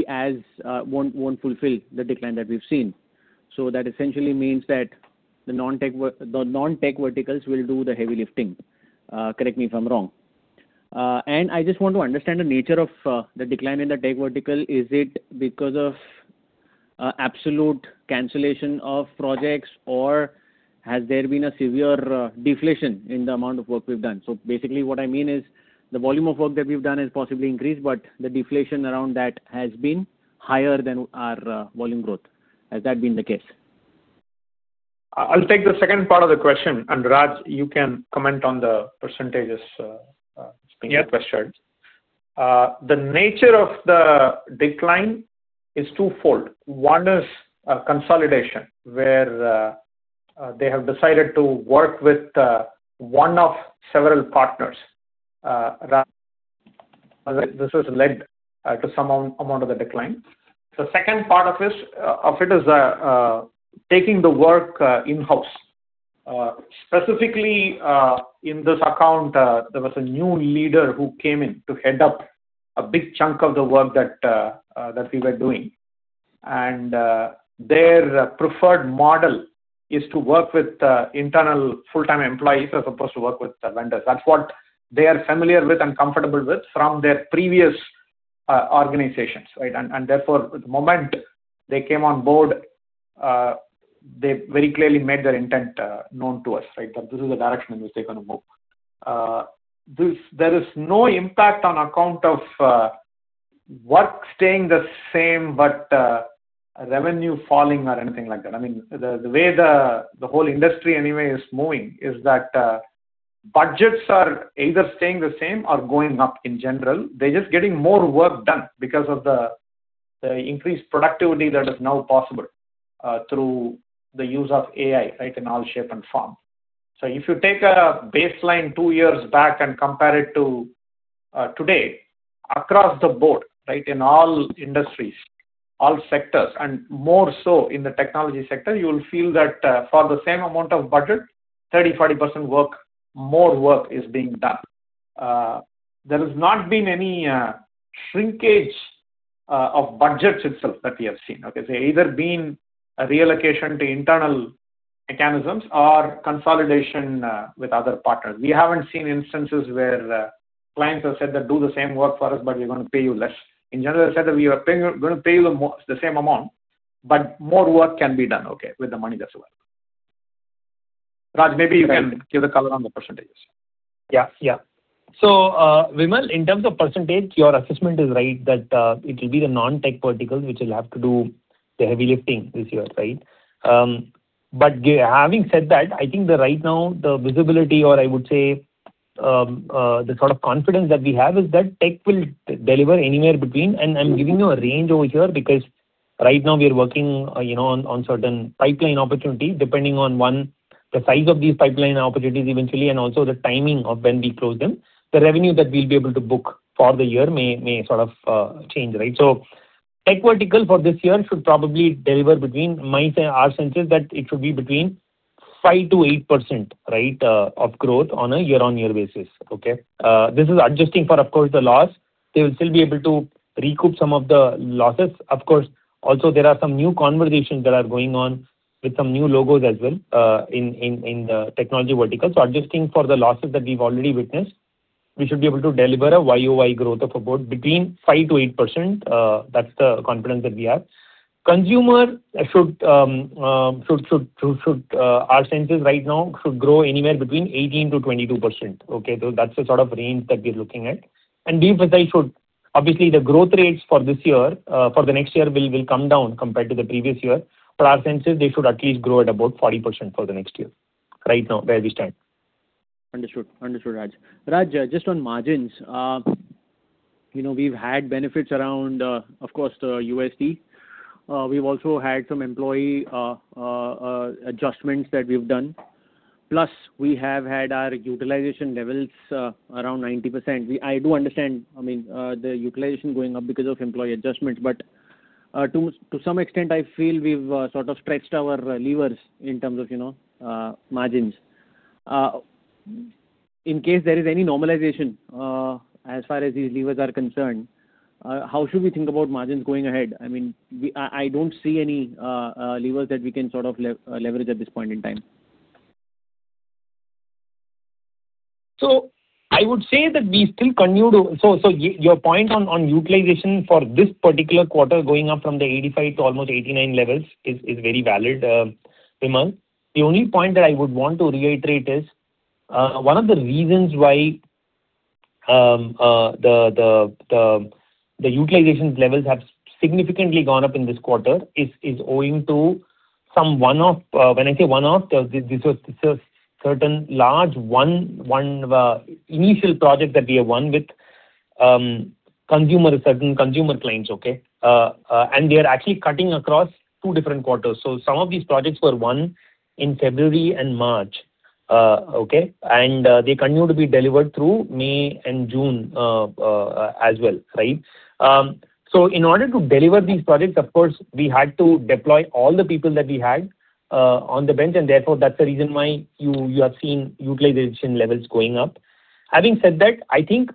fulfill the decline that we've seen. That essentially means that the non-tech verticals will do the heavy lifting. Correct me if I'm wrong. I just want to understand the nature of the decline in the tech vertical. Is it because of absolute cancellation of projects, or has there been a severe deflation in the amount of work we've done? Basically what I mean is the volume of work that we've done has possibly increased, but the deflation around that has been higher than our volume growth. Has that been the case? I'll take the second part of the question, and Raj, you can comment on the percentages. Yeah being questioned. The nature of the decline is twofold. One is consolidation, where they have decided to work with one of several partners. This has led to some amount of the decline. The second part of it is taking the work in-house. Specifically, in this account, there was a new leader who came in to head up a big chunk of the work that we were doing. Their preferred model is to work with internal full-time employees as opposed to work with the vendors. That's what they are familiar with and comfortable with from their previous organizations, right? Therefore, the moment they came on board, they very clearly made their intent known to us, right? This is the direction in which they're going to move. There is no impact on account of work staying the same, but revenue falling or anything like that. I mean, the way the whole industry anyway is moving is that budgets are either staying the same or going up in general. They're just getting more work done because of the increased productivity that is now possible through the use of AI, right, in all shape and form. If you take a baseline two years back and compare it to today, across the board, right, in all industries, all sectors, and more so in the technology sector, you'll feel that for the same amount of budget, 30%, 40% more work is being done. There has not been any shrinkage of budgets itself that we have seen. Either been a reallocation to internal mechanisms or consolidation with other partners. We haven't seen instances where clients have said that, "Do the same work for us, but we're gonna pay you less." In general, they said that, "We are paying you gonna pay you the same amount, but more work can be done with the money that's available." Raj, maybe you can give a color on the percentages. Yeah. Yeah. Vimal, in terms of percentage, your assessment is right that it will be the non-tech verticals which will have to do the heavy lifting this year, right? Having said that, I think that right now the visibility or I would say, the sort of confidence that we have is that tech will deliver anywhere between I'm giving you a range over here because right now we are working, you know, on certain pipeline opportunities. Depending on, one, the size of these pipeline opportunities eventually and also the timing of when we close them, the revenue that we'll be able to book for the year may sort of change, right? Tech vertical for this year should probably deliver between, our sense is that it should be between 5%-8% of growth on a year-on-year basis. This is adjusting for, of course, the loss. They will still be able to recoup some of the losses. Of course, also there are some new conversations that are going on with some new logos as well in the technology vertical. Adjusting for the losses that we've already witnessed, we should be able to deliver a Y-o-Y growth of about between 5%-8%. That's the confidence that we have. Consumer should, our sense is right now should grow anywhere between 18%-22%. That's the sort of range that we're looking at. Deep Health should Obviously, the growth rates for this year, for the next year will come down compared to the previous year. For our senses, they should at least grow at about 40% for the next year, right now, where we stand. Understood. Understood, Raj. Raj, just on margins, you know, we've had benefits around, of course, the USD. We've also had some employee adjustments that we've done. Plus we have had our utilization levels around 90%. I do understand, I mean, the utilization going up because of employee adjustments, but, to some extent, I feel we've sort of stretched our levers in terms of, you know, margins. In case there is any normalization, as far as these levers are concerned, how should we think about margins going ahead? I mean, I don't see any levers that we can sort of leverage at this point in time. Your point on utilization for this particular quarter going up from the 85 to almost 89 levels is very valid, Vimal. The only point that I would want to reiterate is one of the reasons why the utilization levels have significantly gone up in this quarter is owing to some one-off. When I say one-off, this is certain large initial project that we have won with consumer, certain consumer clients, okay? They are actually cutting across two different quarters. Some of these projects were won in February and March, okay? They continue to be delivered through May and June as well, right? In order to deliver these projects, of course, we had to deploy all the people that we had on the bench, and therefore that's the reason why you are seeing utilization levels going up. Having said that, I think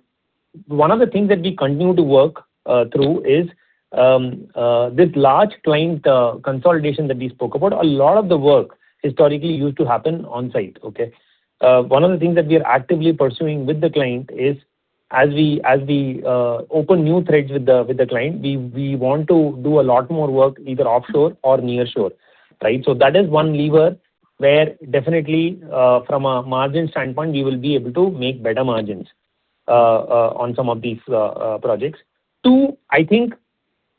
one of the things that we continue to work through is this large client consolidation that we spoke about. A lot of the work historically used to happen on-site, okay. One of the things that we are actively pursuing with the client is, as we open new threads with the client, we want to do a lot more work either offshore or nearshore, right. That is one lever where definitely, from a margin standpoint, we will be able to make better margins on some of these projects. Two, I think,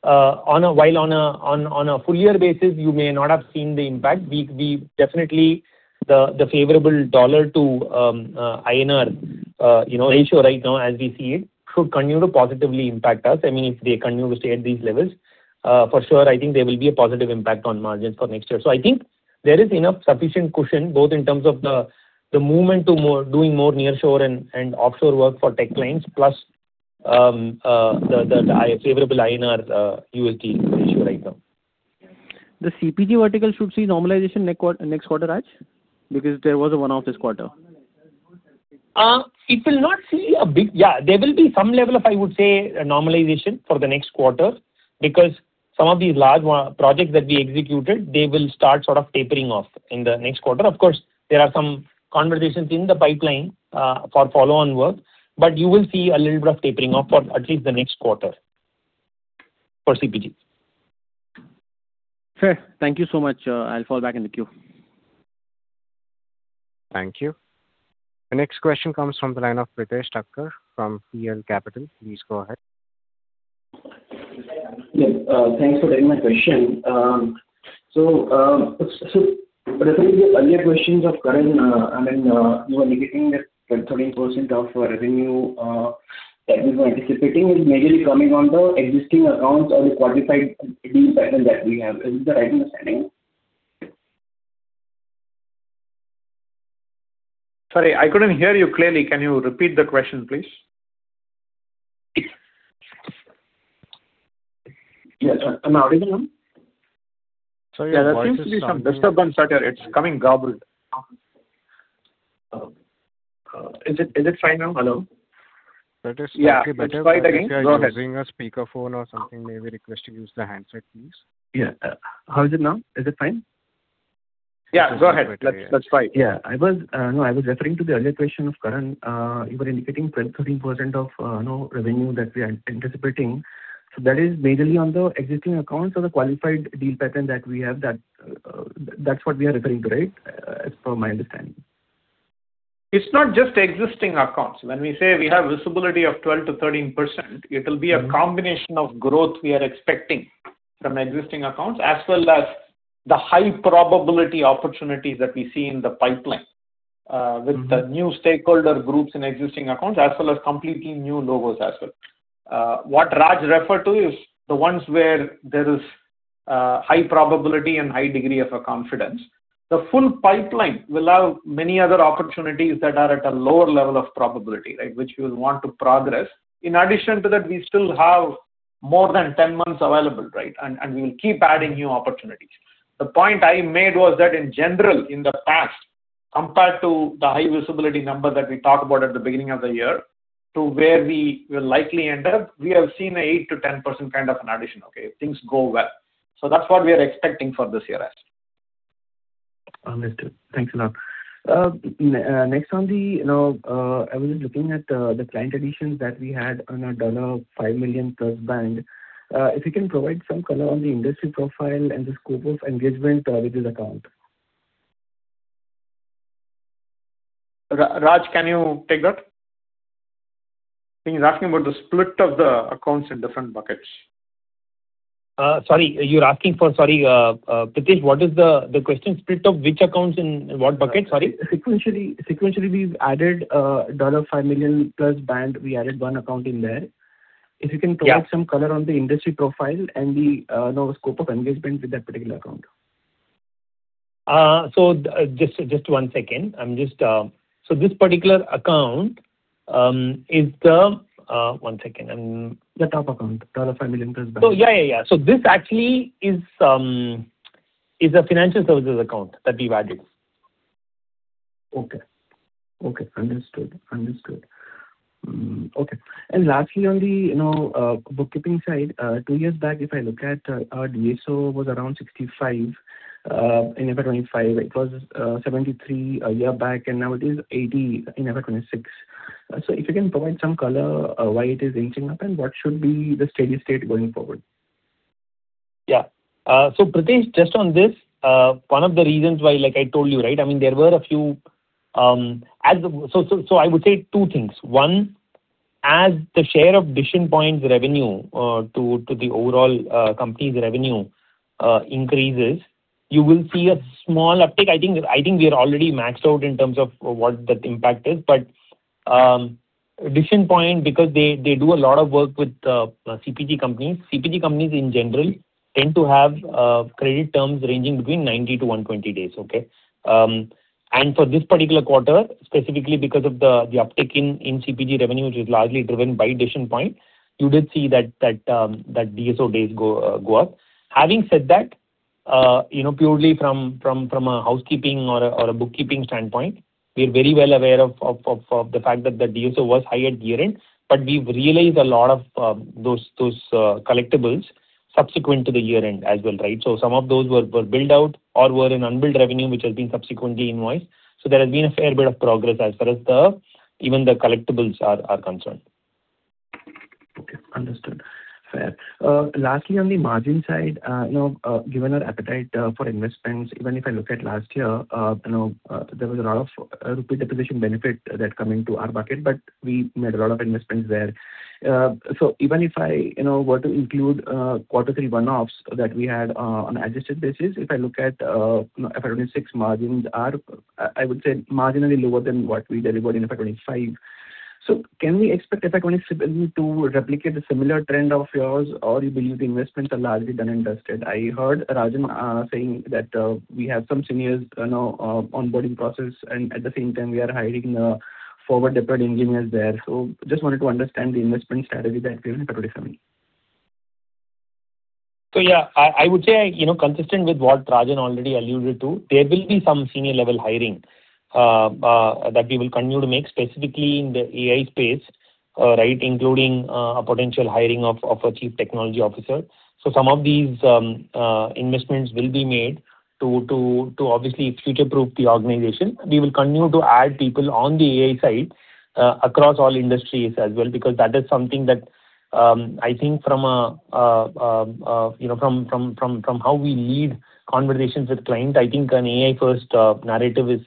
while on a full-year basis you may not have seen the impact, we definitely the favorable dollar to INR ratio right now as we see it should continue to positively impact us. I mean, if they continue to stay at these levels, for sure I think there will be a positive impact on margins for next year. I think there is enough sufficient cushion both in terms of the movement to doing more nearshore and offshore work for tech clients, plus the favorable INR USD ratio right now. The CPG vertical should see normalization next quarter, Raj? Because there was a one-off this quarter. There will be some level of, I would say, normalization for the next quarter because some of these large projects that we executed, they will start sort of tapering off in the next quarter. Of course, there are some conversations in the pipeline for follow-on work, but you will see a little bit of tapering off for at least the next quarter for CPG. Fair. Thank you so much. I'll fall back in the queue. Thank you. The next question comes from the line of Pritesh Thakkar from PL Capital. Please go ahead. Yeah. Thanks for taking my question. Referring to the earlier questions of Karan, I mean, you were indicating that 12%, 13% of revenue that we were anticipating is majorly coming on the existing accounts or the qualified deal pattern that we have. Is that right understanding? Sorry, I couldn't hear you clearly. Can you repeat the question, please? Yeah. Am I audible now? Sorry, your voice is- Yeah, there seems to be some disturbance. Sorry, it's coming garbled. Is it fine now? Hello? Let us- Yeah. It's fine again. Okay. If you are using a speakerphone or something, may we request you use the handset, please. How is it now? Is it fine? Yeah, go ahead. That's fine. Yeah. No, I was referring to the earlier question of Karan. You were indicating 12, 13% of, you know, revenue that we are anticipating. That is majorly on the existing accounts or the qualified deal pattern that we have that's what we are referring to, right? As per my understanding. It's not just existing accounts. When we say we have visibility of 12%-13%, it'll be a combination of growth we are expecting from existing accounts, as well as the high-probability opportunities that we see in the pipeline. With the new stakeholder groups in existing accounts, as well as completely new logos as well. What Raj referred to is the ones where there is high probability and high degree of confidence. The full pipeline will have many other opportunities that are at a lower level of probability, right, which we'll want to progress. In addition to that, we still have more than 10 months available, right? We'll keep adding new opportunities. The point I made was that in general, in the past, compared to the high visibility number that we talked about at the beginning of the year to where we will likely end up, we have seen a 8%-10% kind of an addition, okay? If things go well. That's what we are expecting for this year as. Understood. Thanks a lot. Next on the, you know, I was just looking at the client additions that we had on our $5+ million band. If you can provide some color on the industry profile and the scope of engagement with this account. Raj, can you take that? I think he's asking about the split of the accounts in different buckets. Sorry, Pritesh, what is the question? Split of which accounts in what bucket? Sorry. Sequentially, we've added, $5+ million band. We added one account in there. Yeah. If you can provide some color on the industry profile and the, you know, scope of engagement with that particular account. Just one second. This particular account. One second. The top account, $5+ million band. Yeah, yeah. This actually is a financial services account that we added. Okay. Okay, understood. Understood. Okay. Lastly, on the, you know, bookkeeping side, two years back, if I look at, our DSO was around 65. In FY 2025 it was, 73 a year back, and now it is 80 in FY 2026. If you can provide some color, why it is inching up and what should be the steady state going forward? Yeah. Pritesh, just on this, one of the reasons why, like I told you, right? I mean, there were a few, as I would say two things. One, as the share of Decision Point's revenue to the overall company's revenue increases, you will see a small uptick. I think we are already maxed out in terms of what that impact is. Decision Point, because they do a lot of work with CPG companies. CPG companies in general tend to have credit terms ranging between 90 to 120 days, okay? And for this particular quarter, specifically because of the uptick in CPG revenue, which is largely driven by Decision Point, you did see that DSO days go up. Having said that, you know, purely from a housekeeping or a bookkeeping standpoint, we're very well aware of the fact that the DSO was high at year-end, but we've realized a lot of those collectibles subsequent to the year-end as well, right? Some of those were billed out or were in unbilled revenue, which has been subsequently invoiced. There has been a fair bit of progress as far as the, even the collectibles are concerned. Okay. Understood. Fair. Lastly, on the margin side, given our appetite for investments, even if I look at last year, there was a lot of rupee deposition benefit that come into our bucket, but we made a lot of investments there. Even if I were to include quarter three one-offs that we had, on adjusted basis, if I look at FY 2026 margins are, I would say marginally lower than what we delivered in FY 2025. Can we expect FY 2027 to replicate a similar trend of yours, or you believe investments are largely done and dusted? I heard Rajan saying that we have some seniors onboarding process and at the same time we are hiring forward-deployed engineers there. Just wanted to understand the investment strategy that we have in FY 2027. Yeah, I would say, you know, consistent with what Rajan already alluded to, there will be some senior level hiring that we will continue to make, specifically in the AI space, right, including a potential hiring of a Chief Technology Officer. Some of these investments will be made to obviously future-proof the organization. We will continue to add people on the AI side, across all industries as well, because that is something that, I think from a, you know, from how we lead conversations with clients, I think an AI-first narrative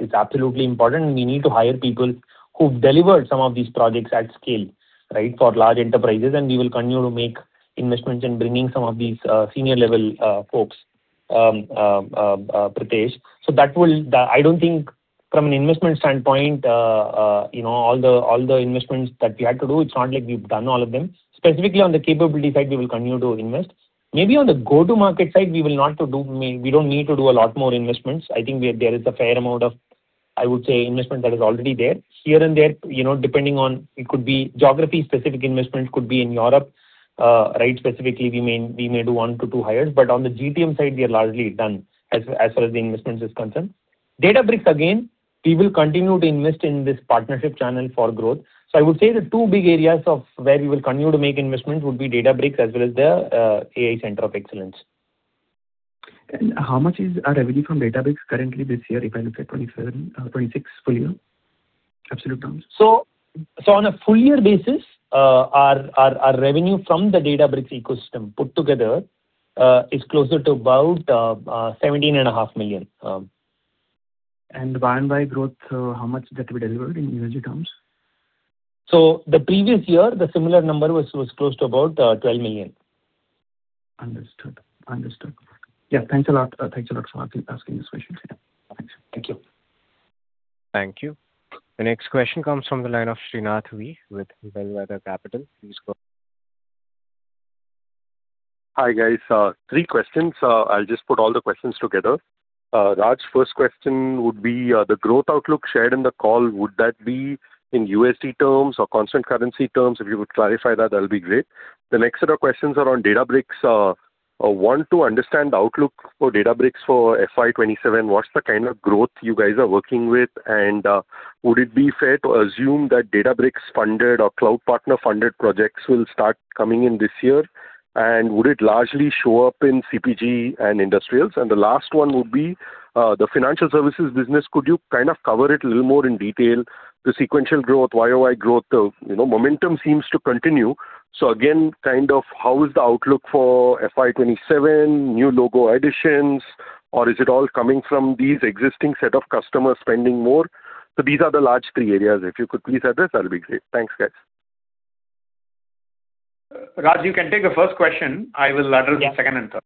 is absolutely important. We need to hire people who've delivered some of these projects at scale, right, for large enterprises. We will continue to make investments in bringing some of these senior level folks, Pritesh. I don't think from an investment standpoint, you know, all the investments that we had to do, it's not like we've done all of them. Specifically on the capability side, we will continue to invest. Maybe on the go-to-market side, we don't need to do a lot more investments. I think there is a fair amount of, I would say, investment that is already there. Here and there, you know, depending on It could be geography-specific investment, could be in Europe, right? Specifically, we may do one to two hires. On the GTM side, we are largely done as far as the investments is concerned. Databricks, again, we will continue to invest in this partnership channel for growth. I would say the two big areas of where we will continue to make investments would be Databricks as well as the AI Center of Excellence. How much is our revenue from Databricks currently this year, if I look at 2027, 2026 full year? Absolute terms. On a full year basis, our revenue from the Databricks ecosystem put together, is closer to about 17.5 million. Y-on-Y growth, how much that will be delivered in yearly terms? The previous year, the similar number was close to about 12 million. Understood. Understood. Yeah, thanks a lot. Thanks a lot for asking this question. Thanks. Thank you. Thank you. The next question comes from the line of V. Srinath with Bellwether Capital. Please go. Hi, guys. Three questions. I'll just put all the questions together. Raj, first question would be, the growth outlook shared in the call, would that be in USD terms or constant currency terms? If you would clarify that'll be great. The next set of questions are on Databricks. I want to understand the outlook for Databricks for FY 2027. What's the kind of growth you guys are working with? Would it be fair to assume that Databricks-funded or cloud partner-funded projects will start coming in this year? Would it largely show up in CPG and industrials? The last one would be, the financial services business. Could you kind of cover it a little more in detail? The sequential growth, year-over-year growth, you know, momentum seems to continue. Again, kind of how is the outlook for FY 2027, new logo additions, or is it all coming from these existing set of customers spending more? These are the large three areas. If you could please address, that'll be great. Thanks, guys. Raj, you can take the first question. I will address the second and third.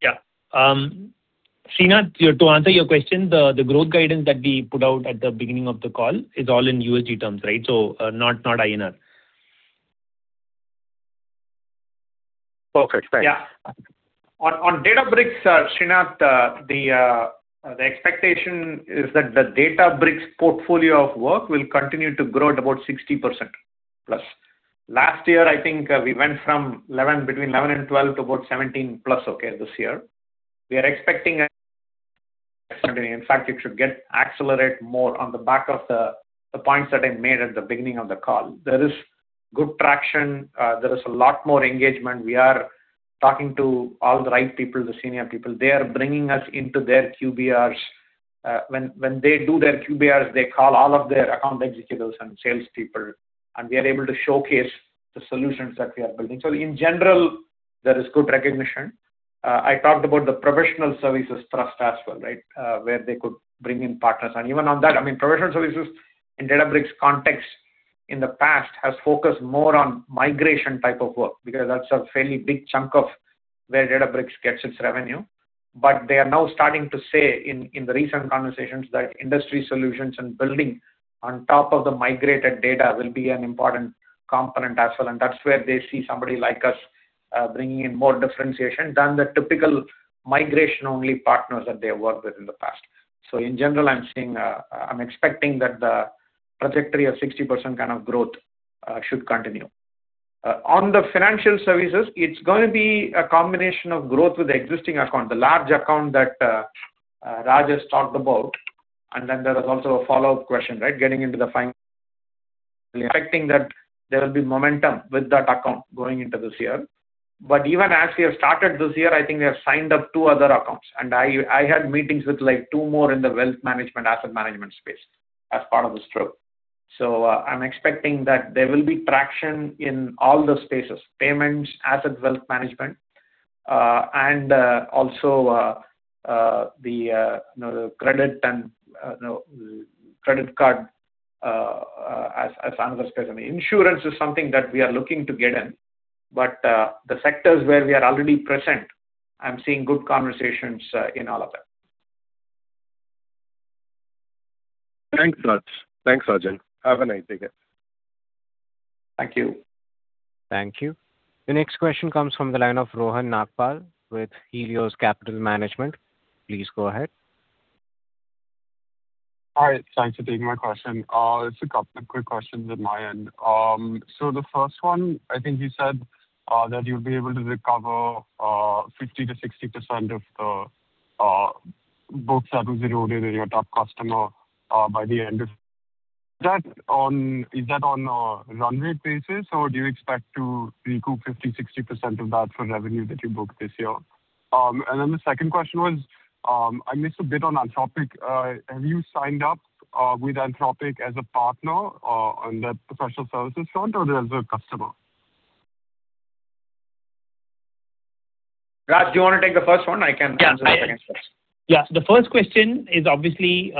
Yeah. Srinath, to answer your question, the growth guidance that we put out at the beginning of the call is all in USD terms, right? Not INR. Okay, thanks. Yeah. On Databricks, Srinath, the expectation is that the Databricks portfolio of work will continue to grow at about 60%+. Last year, I think, we went from between 11 and 12 to about 17+, okay, this year. We are expecting continuing. In fact, it should accelerate more on the back of the points that I made at the beginning of the call. There is good traction. There is a lot more engagement. We are talking to all the right people, the senior people. They are bringing us into their QBRs. When they do their QBRs, they call all of their account executives and salespeople, and we are able to showcase the solutions that we are building. In general, there is good recognition. I talked about the professional services trust as well, right? Where they could bring in partners. Even on that, I mean, professional services in Databricks context in the past has focused more on migration type of work, because that's a fairly big chunk of where Databricks gets its revenue. They are now starting to say in the recent conversations that industry solutions and building on top of the migrated data will be an important component as well. That's where they see somebody like us, bringing in more differentiation than the typical migration-only partners that they have worked with in the past. In general, I'm seeing, I'm expecting that the trajectory of 60% kind of growth, should continue. On the financial services, it's gonna be a combination of growth with the existing account, the large account that Raj has talked about. There was also a follow-up question, right? Expecting that there will be momentum with that account going into this year. Even as we have started this year, I think we have signed up two other accounts. I had meetings with, like, two more in the wealth management, asset management space as part of this trip. I'm expecting that there will be traction in all those spaces: payments, asset wealth management, and also, the, you know, the credit and, you know, credit card, as another space. I mean, insurance is something that we are looking to get in. The sectors where we are already present, I'm seeing good conversations in all of them. Thanks, Raj. Thanks, Rajan. Have a nice day guys. Thank you. Thank you. The next question comes from the line of Rohan Nagpal with Helios Capital Management. Please go ahead. Hi. Thanks for taking my question. Just a couple of quick questions on my end. The first one, I think you said that you'll be able to recover 50%-60% of the books that was eroded in your top customer by the end of that. Is that on a runway basis, or do you expect to recoup 50%, 60% of that for revenue that you book this year? The second question was, I missed a bit on Anthropic. Have you signed up with Anthropic as a partner on the professional services front or as a customer? Raj, do you wanna take the first one? I can answer the second question. Yeah. The first question is obviously,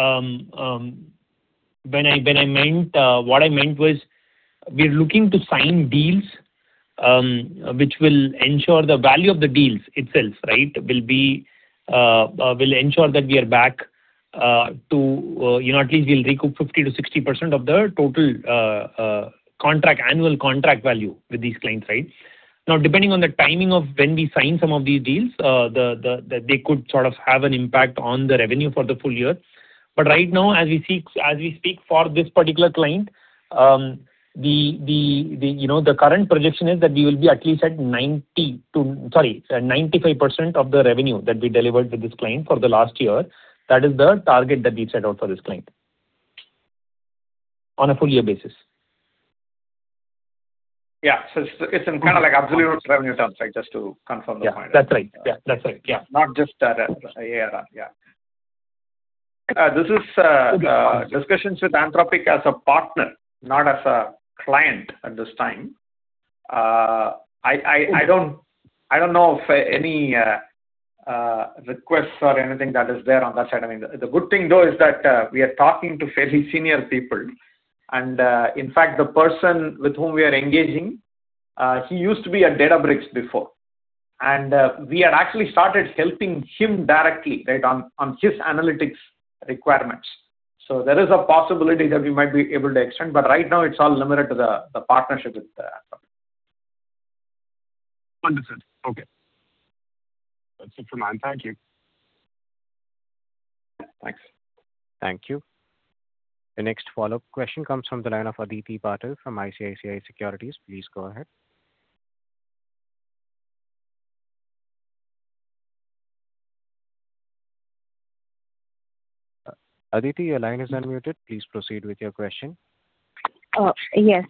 when I meant what I meant was we're looking to sign deals, which will ensure the value of the deals itself, right? Will be, will ensure that we are back to, you know, at least we'll recoup 50%-60% of the total annual contract value with these clients, right? Depending on the timing of when we sign some of these deals, they could sort of have an impact on the revenue for the full year. Right now, as we speak for this particular client, the current projection is that we will be at least at 90%-95% of the revenue that we delivered with this client for the last year. That is the target that we've set out for this client on a full year basis. Yeah. It's in kind of like absolute revenue terms, right? Just to confirm the point. Yeah, that's right. Yeah, that's right. Yeah. Not just the ARR. Yeah. This is discussions with Anthropic as a partner, not as a client at this time. I don't know of any requests or anything that is there on that side. I mean, the good thing though is that we are talking to fairly senior people and, in fact, the person with whom we are engaging, he used to be at Databricks before. We had actually started helping him directly, right, on his analytics requirements. There is a possibility that we might be able to extend, but right now it's all limited to the partnership with Anthropic. Understood. Okay. That is it from my end. Thank you. Yeah. Thanks. Thank you. The next follow-up question comes from the line of Aditi Patil from ICICI Securities. Please go ahead. Aditi, your line is unmuted. Please proceed with your question. Yes.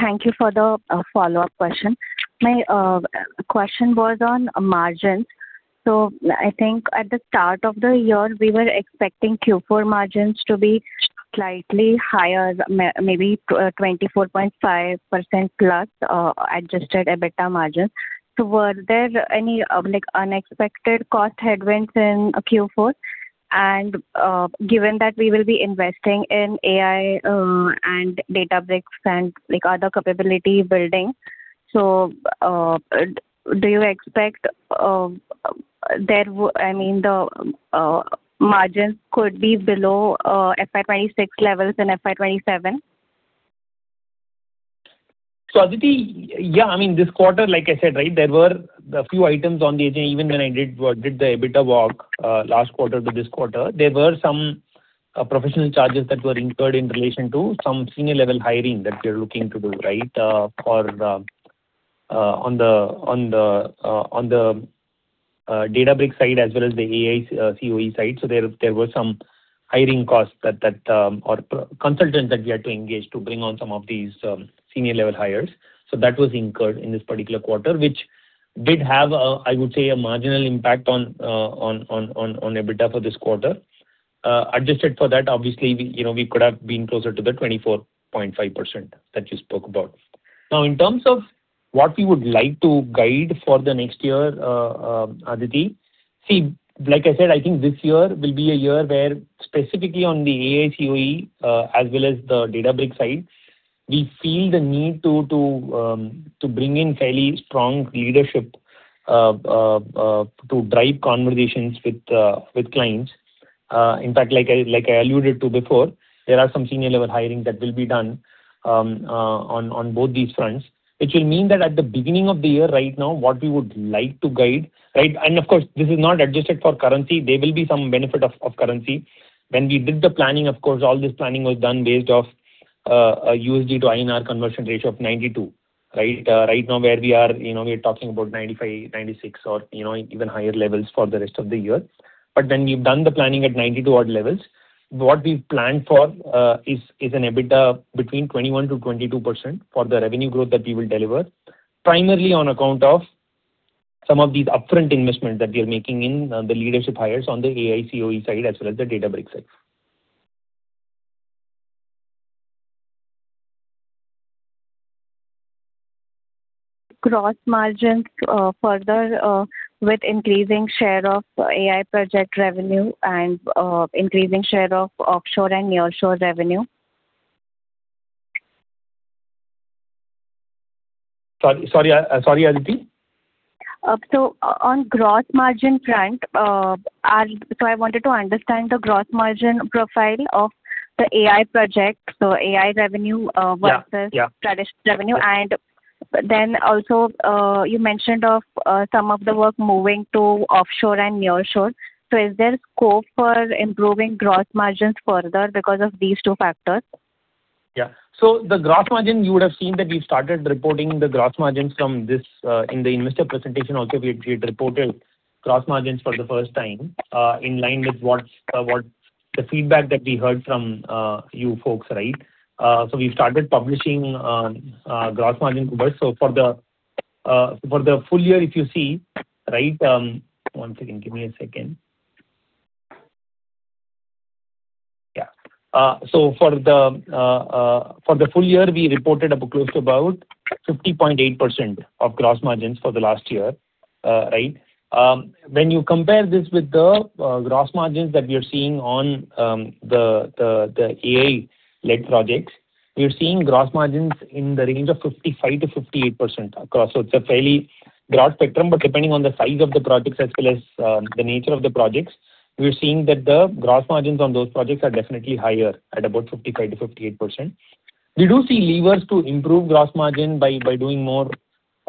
Thank you for the follow-up question. My question was on margins. I think at the start of the year, we were expecting Q4 margins to be slightly higher, maybe 24.5%+ adjusted EBITDA margins. Were there any like unexpected cost headwinds in Q4? Given that we will be investing in AI and Databricks and like other capability building, do you expect I mean, the margins could be below FY 2026 levels in FY 2027? Aditi, I mean, this quarter, like I said, there were a few items on the agenda. Even when I did the EBITDA walk last quarter to this quarter. There were some professional charges that were incurred in relation to some senior level hiring that we are looking to do. For the on the Databricks side as well as the AI COE side. There were some hiring costs that or consultants that we had to engage to bring on some of these senior level hires. That was incurred in this particular quarter, which did have a, I would say, a marginal impact on EBITDA for this quarter. Adjusted for that, obviously, we, you know, we could have been closer to the 24.5% that you spoke about. In terms of what we would like to guide for the next year, Aditi. Like I said, I think this year will be a year where specifically on the AI COE, as well as the Databricks side, we feel the need to bring in fairly strong leadership to drive conversations with clients. In fact, like I alluded to before, there are some senior level hiring that will be done on both these fronts. At the beginning of the year right now, what we would like to guide. Of course, this is not adjusted for currency. There will be some benefit of currency. When we did the planning, of course, all this planning was done based off a USD to INR conversion ratio of 92, right? Right now where we are, you know, we are talking about 95, 96 or, you know, even higher levels for the rest of the year. When we've done the planning at 92 odd levels, what we've planned for is an EBITDA between 21%-22% for the revenue growth that we will deliver. Primarily on account of some of these upfront investments that we are making in the leadership hires on the AI COE side as well as the Databricks side. Gross margins, further, with increasing share of AI project revenue and increasing share of offshore and nearshore revenue. Sorry, sorry, Aditi? I wanted to understand the gross margin profile of the AI project. AI revenue, versus. Yeah, yeah. Traditional revenue. Also, you mentioned some of the work moving to offshore and nearshore. Is there scope for improving gross margins further because of these two factors? Yeah. The gross margin, you would have seen that we've started reporting the gross margins from this in the investor presentation also we had reported gross margins for the first time in line with what's the feedback that we heard from you folks, right? We've started publishing gross margin numbers. For the full year, if you see, right, One second. Give me a second. Yeah. For the full year, we reported up close to about 50.8% of gross margins for the last year, right? When you compare this with the gross margins that we are seeing on the AI-led projects, we are seeing gross margins in the range of 55%-58% across. It's a fairly broad spectrum, but depending on the size of the projects as well as the nature of the projects, we are seeing that the gross margins on those projects are definitely higher at about 55%-58%. We do see levers to improve gross margin by doing more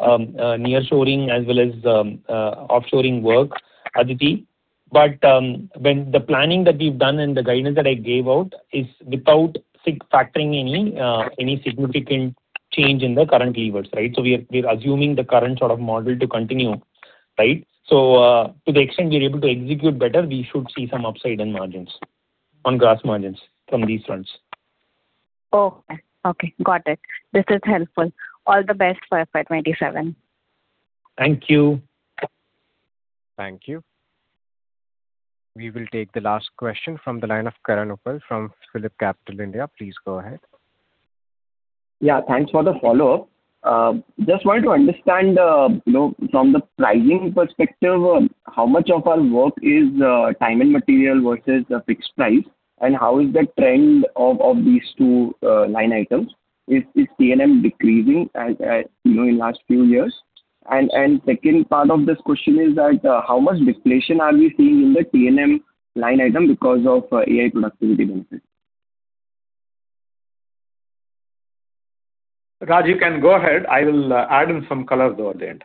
nearshoring as well as offshoring work, Aditi. When the planning that we've done and the guidance that I gave out is without factoring any significant change in the current levers, right? We are assuming the current sort of model to continue, right? To the extent we are able to execute better, we should see some upside in margins, on gross margins from these fronts. Okay. Okay, got it. This is helpful. All the best for FY 2027. Thank you. Thank you. We will take the last question from the line of Karan Uppal from PhillipCapital India. Please go ahead. Yeah, thanks for the follow-up. Just wanted to understand, you know, from the pricing perspective, how much of our work is time and material versus fixed price, and how is the trend of these two line items? Is T&M decreasing as, you know, in last few years? Second part of this question is that, how much deflation are we seeing in the T&M line item because of AI productivity benefits? Raj, you can go ahead. I will add in some color though at the end.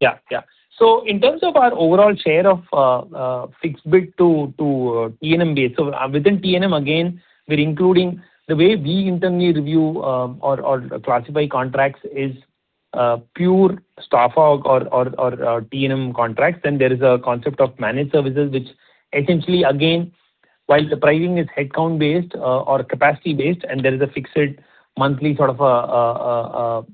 Yeah, yeah. In terms of our overall share of fixed bid to T&M base. Within T&M, again, the way we internally review or classify contracts is pure staff aug or T&M contracts. There is a concept of managed services, which essentially, again, while the pricing is headcount based or capacity based, and there is a fixed monthly sort of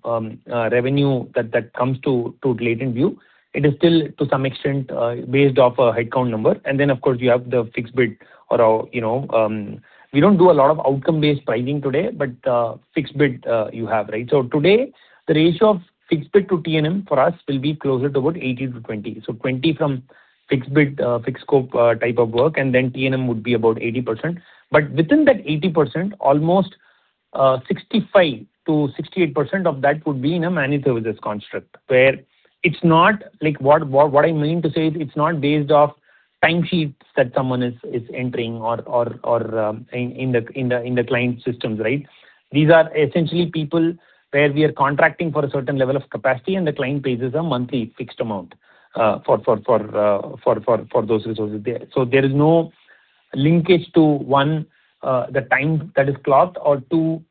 revenue that comes to LatentView. It is still to some extent based off a headcount number. Of course, you have the fixed bid or, you know, we don't do a lot of outcome-based pricing today, but fixed bid you have, right? Today, the ratio of fixed bid to T&M for us will be closer to about 80 to 20. 20 from fixed bid, fixed scope, type of work, and then T&M would be about 80%. Within that 80%, almost 65%-68% of that would be in a managed services construct. What I mean to say is, it's not based off timesheets that someone is entering or in the client systems, right? These are essentially people where we are contracting for a certain level of capacity and the client pays us a monthly fixed amount for those resources there. There is no linkage to, One, the time that is clocked or, two,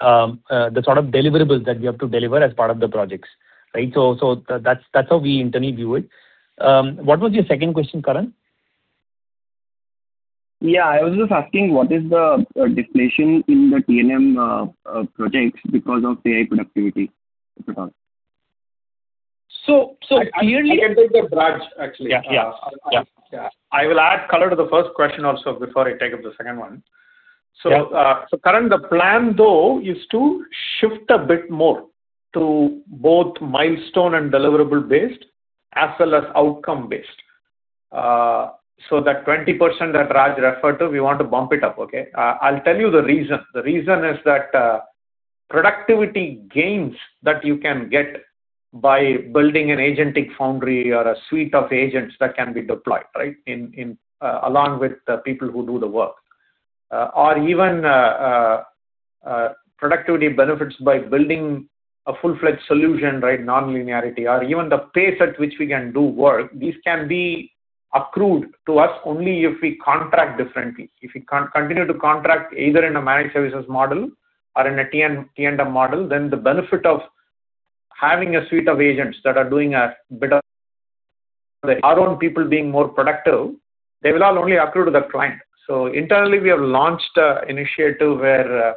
the sort of deliverables that we have to deliver as part of the projects, right? That's how we internally view it. What was your second question, Karan? Yeah. I was just asking what is the deflation in the T&M projects because of AI productivity so far? So, so clearly- I can take that, Raj, actually. Yeah. Yeah. Yeah. Yeah. I will add color to the first question also before I take up the second one. Yeah. Karan, the plan though is to shift a bit more to both milestone and deliverable based, as well as outcome based. That 20% that Raj referred to, we want to bump it up. I'll tell you the reason. The reason is that productivity gains that you can get by building an agentic foundry or a suite of agents that can be deployed along with the people who do the work. Or even productivity benefits by building a full-fledged solution, nonlinearity. Or even the pace at which we can do work, these can be accrued to us only if we contract differently. If we continue to contract either in a managed services model or in a T&M model, the benefit of having a suite of agents that are doing a bit of our own people being more productive, they will all only accrue to the client. Internally, we have launched a initiative where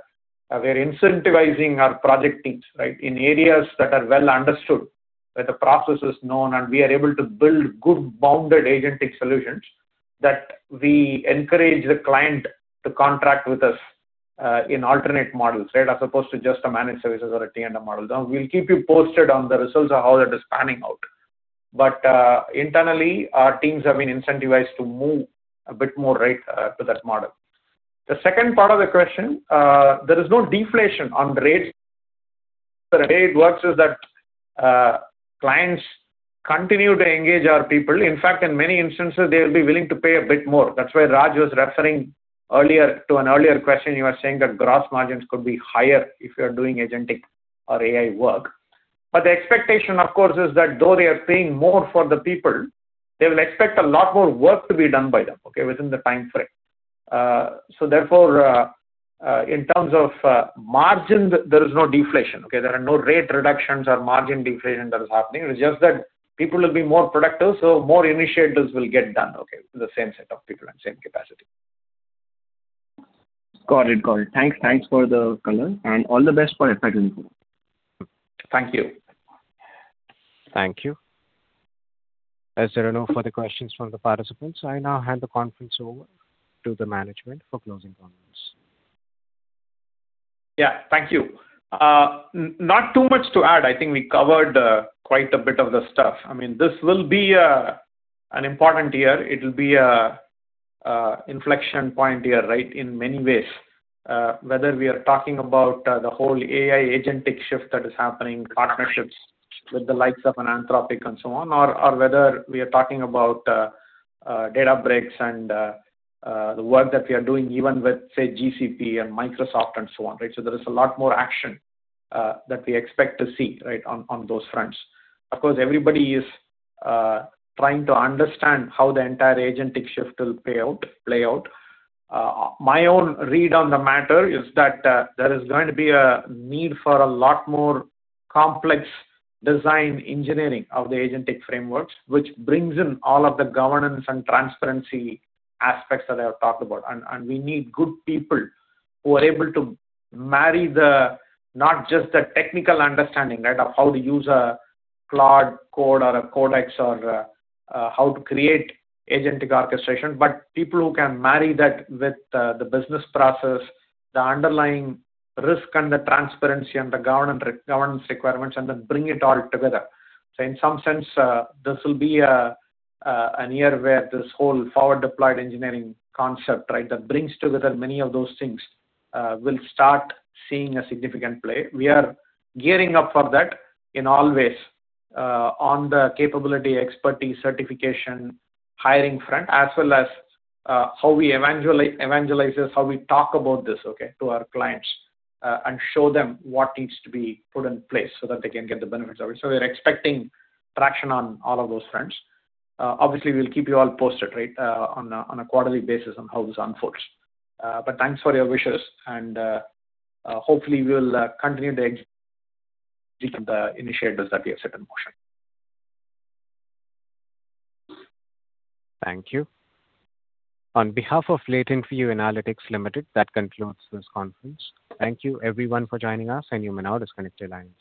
we're incentivizing our project teams, right? In areas that are well understood, where the process is known, and we are able to build good bounded agentic solutions that we encourage the client to contract with us in alternate models, right, as opposed to just a managed services or a T&M model. We'll keep you posted on the results of how that is panning out. Internally, our teams have been incentivized to move a bit more, right, to that model. The second part of the question, there is no deflation on rates. The way it works is that clients continue to engage our people. In fact, in many instances, they'll be willing to pay a bit more. That's why Raj was referring to an earlier question, you were saying that gross margins could be higher if you are doing agentic or AI work. The expectation, of course, is that though they are paying more for the people, they will expect a lot more work to be done by them, okay, within the time frame. Therefore, in terms of margin, there is no deflation, okay? There are no rate reductions or margin deflation that is happening. It's just that people will be more productive, more initiatives will get done, okay, with the same set of people and same capacity. Got it. Got it. Thanks for the color, and all the best for Effectinco. Thank you. Thank you. As there are no further questions from the participants, I now hand the conference over to the management for closing comments. Thank you. Not too much to add. I think we covered quite a bit of the stuff. I mean, this will be an important year. It'll be an inflection point year, right, in many ways. Whether we are talking about the whole AI agentic shift that is happening, partnerships with the likes of an Anthropic and so on, or whether we are talking about Databricks and the work that we are doing even with, say, GCP and Microsoft and so on, right? There is a lot more action that we expect to see, right, on those fronts. Of course, everybody is trying to understand how the entire agentic shift will play out. My own read on the matter is that there is going to be a need for a lot more complex design engineering of the agentic frameworks, which brings in all of the governance and transparency aspects that I have talked about. We need good people who are able to marry not just the technical understanding, right, of how to use a Claude Code or a Codex or how to create agentic orchestration, but people who can marry that with the business process, the underlying risk and the transparency and the governance requirements, and then bring it all together. In some sense, this will be a year where this whole forward-deployed engineering concept, right, that brings together many of those things, will start seeing a significant play. We are gearing up for that in all ways, on the capability, expertise, certification, hiring front, as well as, how we evangelize this, how we talk about this, okay, to our clients, and show them what needs to be put in place so that they can get the benefits of it. We're expecting traction on all of those fronts. Obviously, we'll keep you all posted, right, on a quarterly basis on how this unfolds. But thanks for your wishes and, hopefully we'll continue the initiatives that we have set in motion. Thank you. On behalf of LatentView Analytics Limited, that concludes this conference. Thank you everyone for joining us, and you may now disconnect your lines.